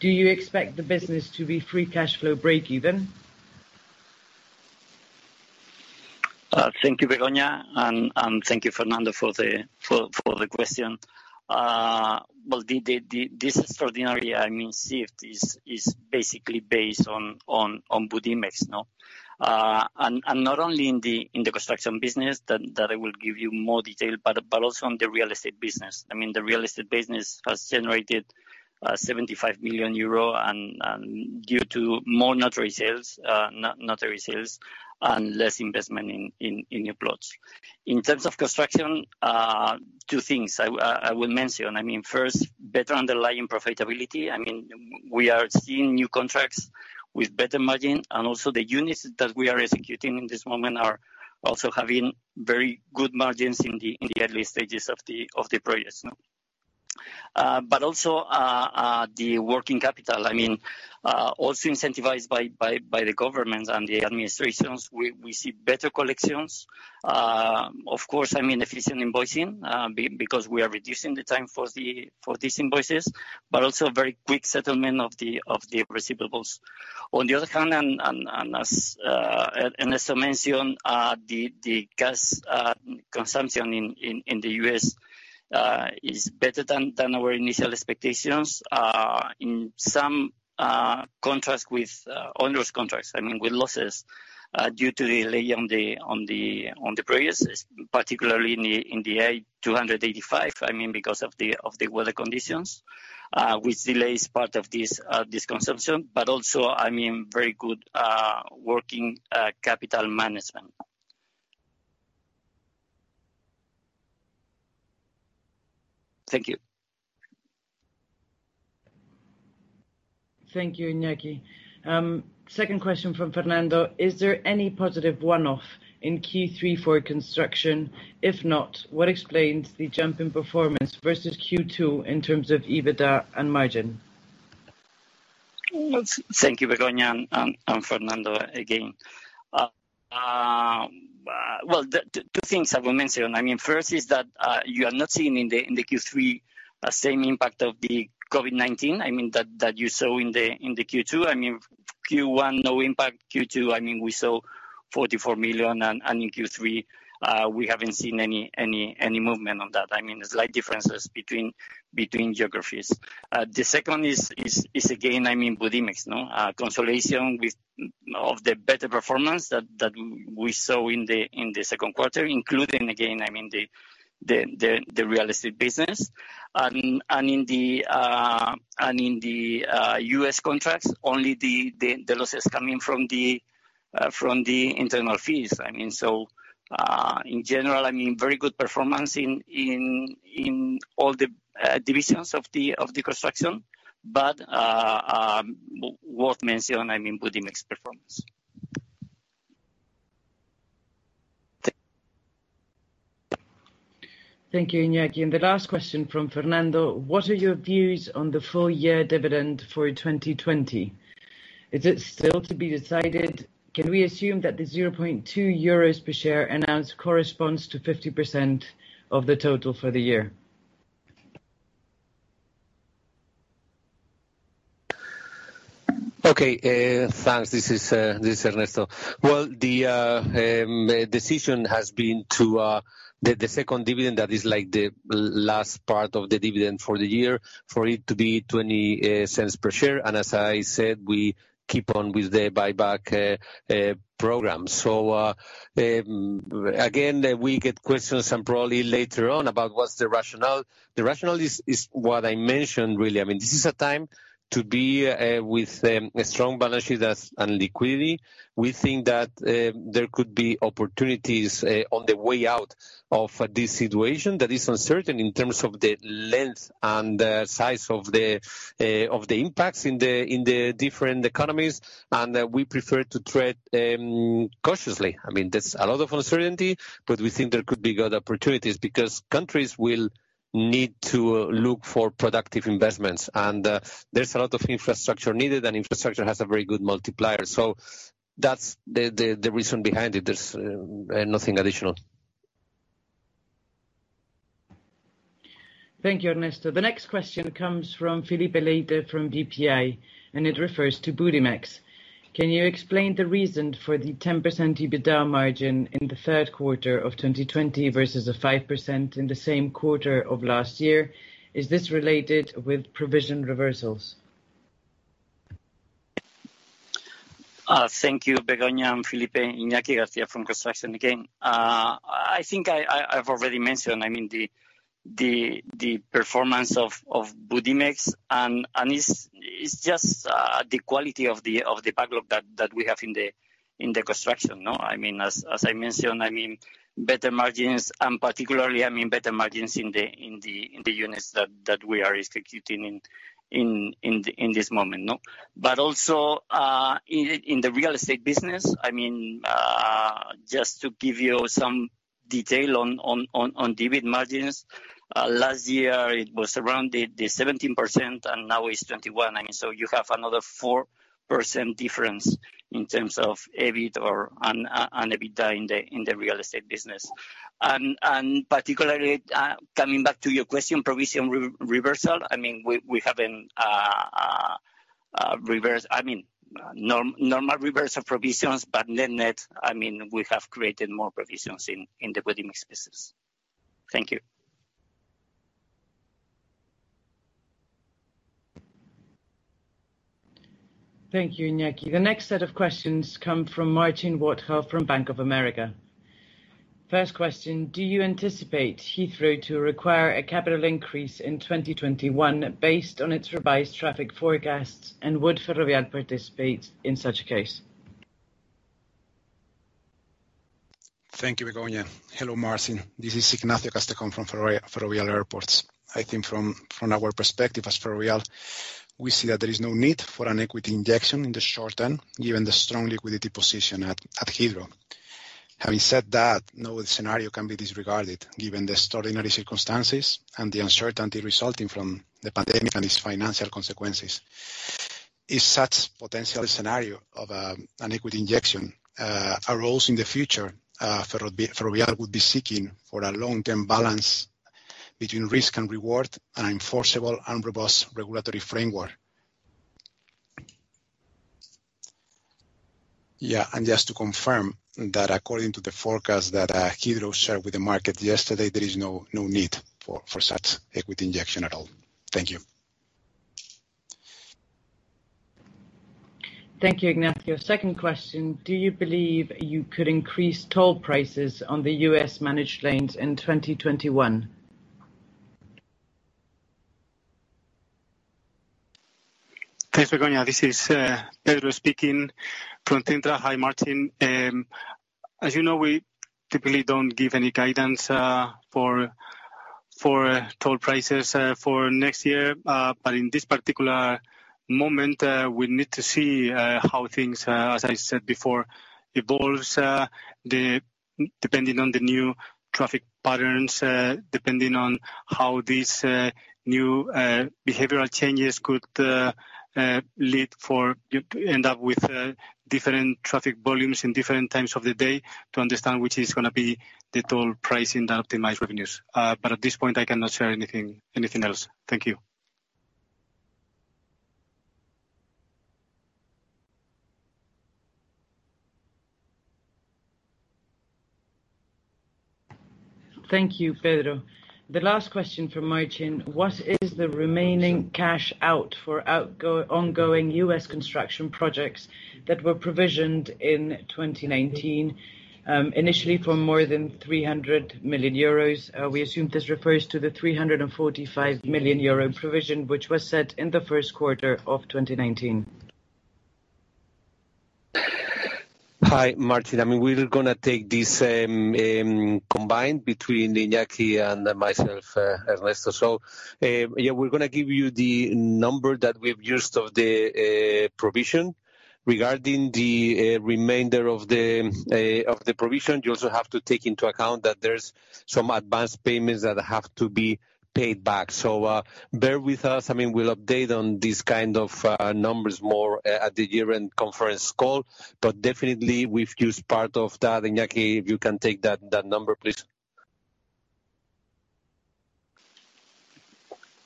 Do you expect the business to be free cash flow breakeven? Thank you, Begoña, and thank you, Fernando, for the question. Well, this extraordinary shift is basically based on good mix. Not only in the construction business, that I will give you more detail, but also on the real estate business. The real estate business has generated 75 million euro, and due to more notary sales and less investment in new plots. In terms of construction, two things I will mention. First, better underlying profitability. We are seeing new contracts with better margin, and also the units that we are executing in this moment are also having very good margins in the early stages of the progress. Also, the working capital. Also incentivized by the government and the administrations, we see better collections. Of course, efficient invoicing, because we are reducing the time for these invoices, but also very quick settlement of the receivables. On the other hand, as Ernesto mentioned, the gas consumption in the U.S. is better than our initial expectations. In some contrast with onerous contracts, with losses due to the delay on the progress, particularly in the I-285, because of the weather conditions, with delays part of this consumption, but also very good working capital management. Thank you. Thank you, Iñaki. Second question from Fernando. Is there any positive one-off in Q3 for construction? If not, what explains the jump in performance versus Q2 in terms of EBITDA and margin? Thank you, Begoña and Fernando, again. Well, two things I will mention. First is that you are not seeing in the Q3 same impact of the COVID-19 that you saw in the Q2. Q1, no impact. Q2, we saw 44 million, and in Q3, we haven't seen any movement on that. Slight differences between geographies. The second is, again, good mix. Consolidation of the better performance that we saw in the second quarter, including, again, the real estate business. In the U.S. contracts, only the losses coming from the internal fees. In general, very good performance in all the divisions of the construction, but worth mentioning good mix performance. Thank you, Iñaki. The last question from Fernando: What are your views on the full year dividend for 2020? Is it still to be decided? Can we assume that the €0.2 per share announced corresponds to 50% of the total for the year? Okay. Thanks. This is Ernesto. Well, the decision has been to the second dividend, that is the last part of the dividend for the year, for it to be 0.20 per share. As I said, we keep on with the buyback program. Again, we get questions and probably later on about what's the rationale. The rationale is what I mentioned, really. This is a time to be with strong balances and liquidity. We think that there could be opportunities on the way out of this situation that is uncertain in terms of the length and the size of the impacts in the different economies. We prefer to tread cautiously. There's a lot of uncertainty, but we think there could be good opportunities because countries will need to look for productive investments. There's a lot of infrastructure needed, and infrastructure has a very good multiplier. That's the reason behind it. There's nothing additional. Thank you, Ernesto. The next question comes from Philippe Leydit from BPI. It refers to Budimex. Can you explain the reason for the 10% EBITDA margin in the third quarter of 2020 versus the 5% in the same quarter of last year? Is this related with provision reversals? Thank you, Begoña. Hi Philippe, Iñaki García from Construction again. I've already mentioned the performance of Budimex, and it's just the quality of the backlog that we have in the construction. As I mentioned, better margins and particularly, better margins in the units that we are executing in this moment. Also, in the real estate business, just to give you some detail on EBIT margins. Last year, it was around the 17%, and now it's 21%. You have another 4% difference in terms of EBIT or EBITDA in the real estate business. Particularly, coming back to your question, provision reversal, we have a normal reversal of provisions. Net, we have created more provisions in the Budimex business. Thank you. Thank you, Iñaki. The next set of questions come from Martin Wadhill from Bank of America. First question: Do you anticipate Heathrow to require a capital increase in 2021 based on its revised traffic forecasts? Would Ferrovial participate in such a case? Thank you, Begoña. Hello, Martin. This is Ignacio Castejón from Ferrovial Airports. I think from our perspective as Ferrovial, we see that there is no need for an equity injection in the short term, given the strong liquidity position at Heathrow. Having said that, no scenario can be disregarded given the extraordinary circumstances and the uncertainty resulting from the pandemic and its financial consequences. If such potential scenario of an equity injection arose in the future, Ferrovial would be seeking for a long-term balance between risk and reward, an enforceable and robust regulatory framework. Yeah, just to confirm that according to the forecast that Heathrow shared with the market yesterday, there is no need for such equity injection at all. Thank you. Thank you, Ignacio. Second question: Do you believe you could increase toll prices on the U.S. managed lanes in 2021? Thanks, Begoña. This is Pedro speaking from Cintra. Hi, Martin. In this particular moment, we need to see how things, as I said before, evolves, depending on the new traffic patterns, depending on how these new behavioral changes could lead for you to end up with different traffic volumes in different times of the day to understand which is going to be the toll pricing that optimize revenues. At this point, I cannot share anything else. Thank you. Thank you, Pedro. The last question from Martin: What is the remaining cash out for ongoing U.S. construction projects that were provisioned in 2019, initially for more than 300 million euros? We assume this refers to the 345 million euro provision, which was set in the first quarter of 2019. Hi, Martin. We're going to take this combined between Iñaki and myself, Ernesto. We're going to give you the number that we've used of the provision. Regarding the remainder of the provision, you also have to take into account that there's some advanced payments that have to be paid back. Bear with us. We'll update on these kind of numbers more at the year-end conference call, but definitely, we've used part of that. Iñaki, if you can take that number, please.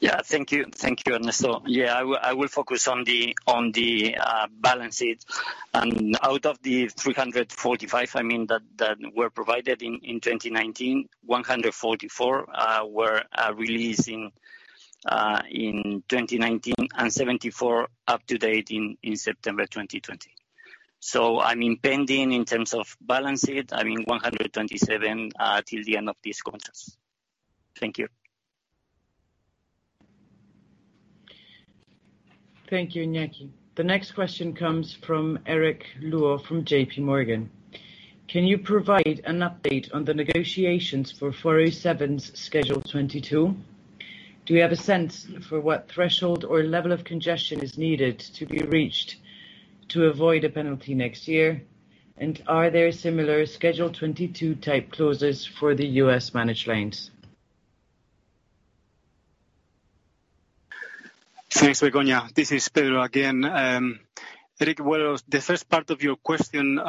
Thank you, Ernesto. I will focus on the balances. Out of the 345 that were provided in 2019, 144 were released in 2019, and 74 up to date in September 2020. Pending, in terms of balances, 127 till the end of this conference. Thank you. Thank you, Iñaki. The next question comes from Eric Luo from J.P. Morgan. Can you provide an update on the negotiations for 407's Schedule 22? Do we have a sense for what threshold or level of congestion is needed to be reached to avoid a penalty next year? Are there similar Schedule 22 type clauses for the U.S. managed lanes? Thanks, Begoña. This is Pedro again. Eric, well, the first part of your question,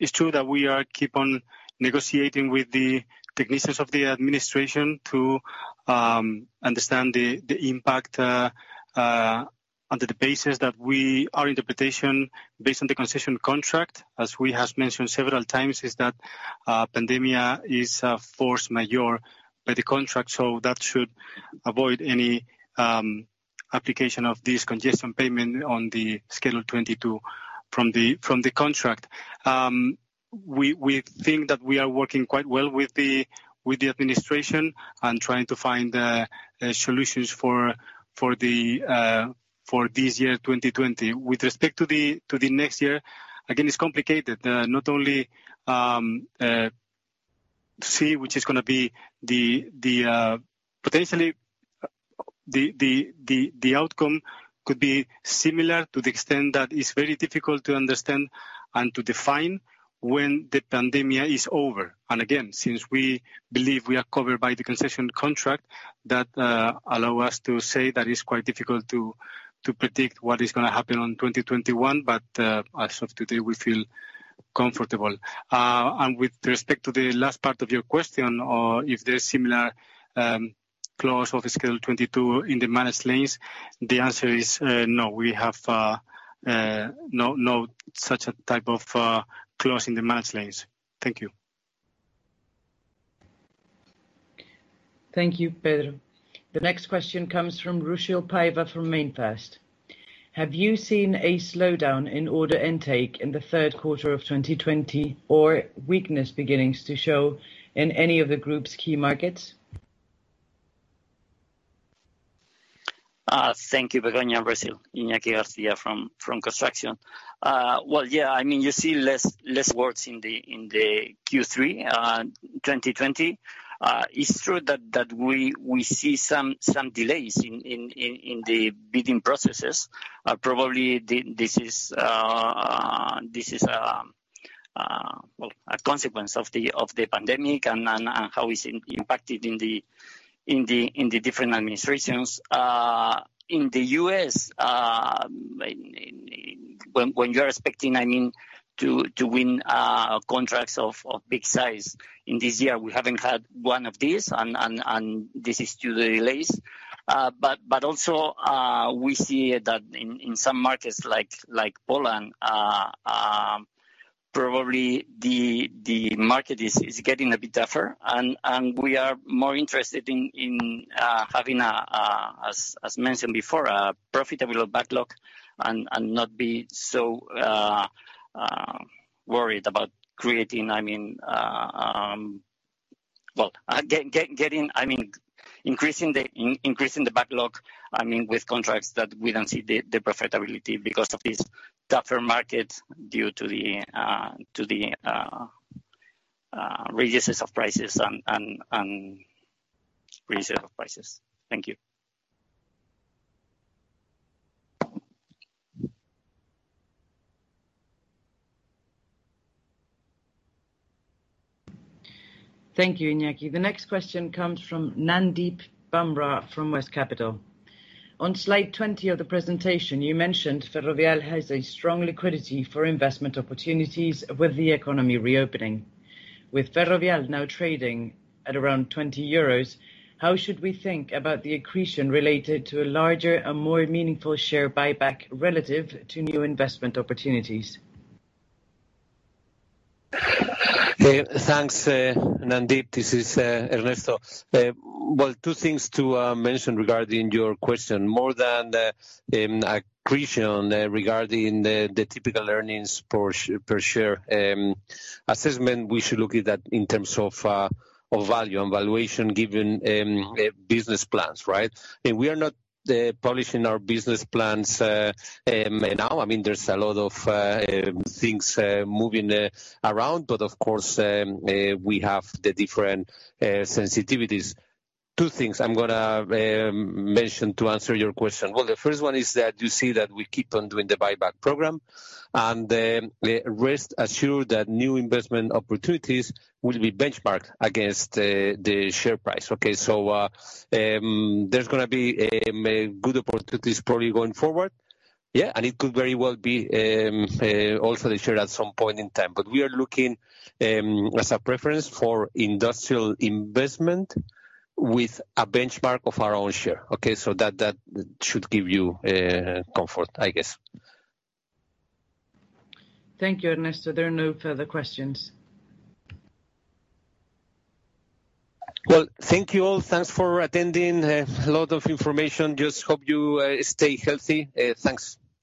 it's true that we keep on negotiating with the technicians of the administration to understand the impact under the basis that our interpretation, based on the concession contract, as we have mentioned several times, is that a pandemia is a force majeure by the contract. That should avoid any application of this congestion payment on the Schedule 22 from the contract. We think that we are working quite well with the administration and trying to find solutions for this year, 2020. With respect to the next year, again, it's complicated. Not only see which is going to be potentially the outcome could be similar to the extent that it's very difficult to understand and to define when the pandemia is over. Again, since we believe we are covered by the concession contract, that allow us to say that it's quite difficult to predict what is going to happen on 2021, but as of today, we feel comfortable. With respect to the last part of your question, or if there's similar clause of Schedule 22 in the managed lanes, the answer is no. We have no such type of clause in the managed lanes. Thank you. Thank you, Pedro. The next question comes from Ruscio Paiva from MainFirst. Have you seen a slowdown in order intake in the third quarter of 2020, or weakness beginning to show in any of the group's key markets? Thank you, Begoña and Ruscio. Iñaki García from Construction. Well, yeah, you see less works in the Q3 2020. It's true that we see some delays in the bidding processes. Probably, this is a consequence of the pandemic and how it's impacted in the different administrations. In the U.S., when you're expecting to win contracts of big size in this year, we haven't had one of these, and this is due to delays. Also, we see that in some markets like Poland, probably the market is getting a bit tougher, and we are more interested in having, as mentioned before, a profitable backlog and not be so worried about increasing the backlog with contracts that we don't see the profitability because of this tougher market due to the reduces of prices and reserve of prices. Thank you. Thank you, Iñaki. The next question comes from Nandip Bamra from West Capital. On slide 20 of the presentation, you mentioned Ferrovial has a strong liquidity for investment opportunities with the economy reopening. With Ferrovial now trading at around 20 euros, how should we think about the accretion related to a larger and more meaningful share buyback relative to new investment opportunities? Hey, thanks, Nandip. This is Ernesto. Two things to mention regarding your question. More than the accretion regarding the typical earnings per share assessment, we should look at that in terms of value and valuation given business plans, right. We are not publishing our business plans now. There's a lot of things moving around. Of course, we have the different sensitivities. Two things I'm going to mention to answer your question. The first one is that you see that we keep on doing the buyback program. Rest assured that new investment opportunities will be benchmarked against the share price, okay. There's going to be good opportunities probably going forward. It could very well be also the share at some point in time. We are looking as a preference for industrial investment with a benchmark of our own share, okay. That should give you comfort, I guess. Thank you, Ernesto. There are no further questions. Well, thank you all. Thanks for attending. A lot of information. Just hope you stay healthy. Thanks.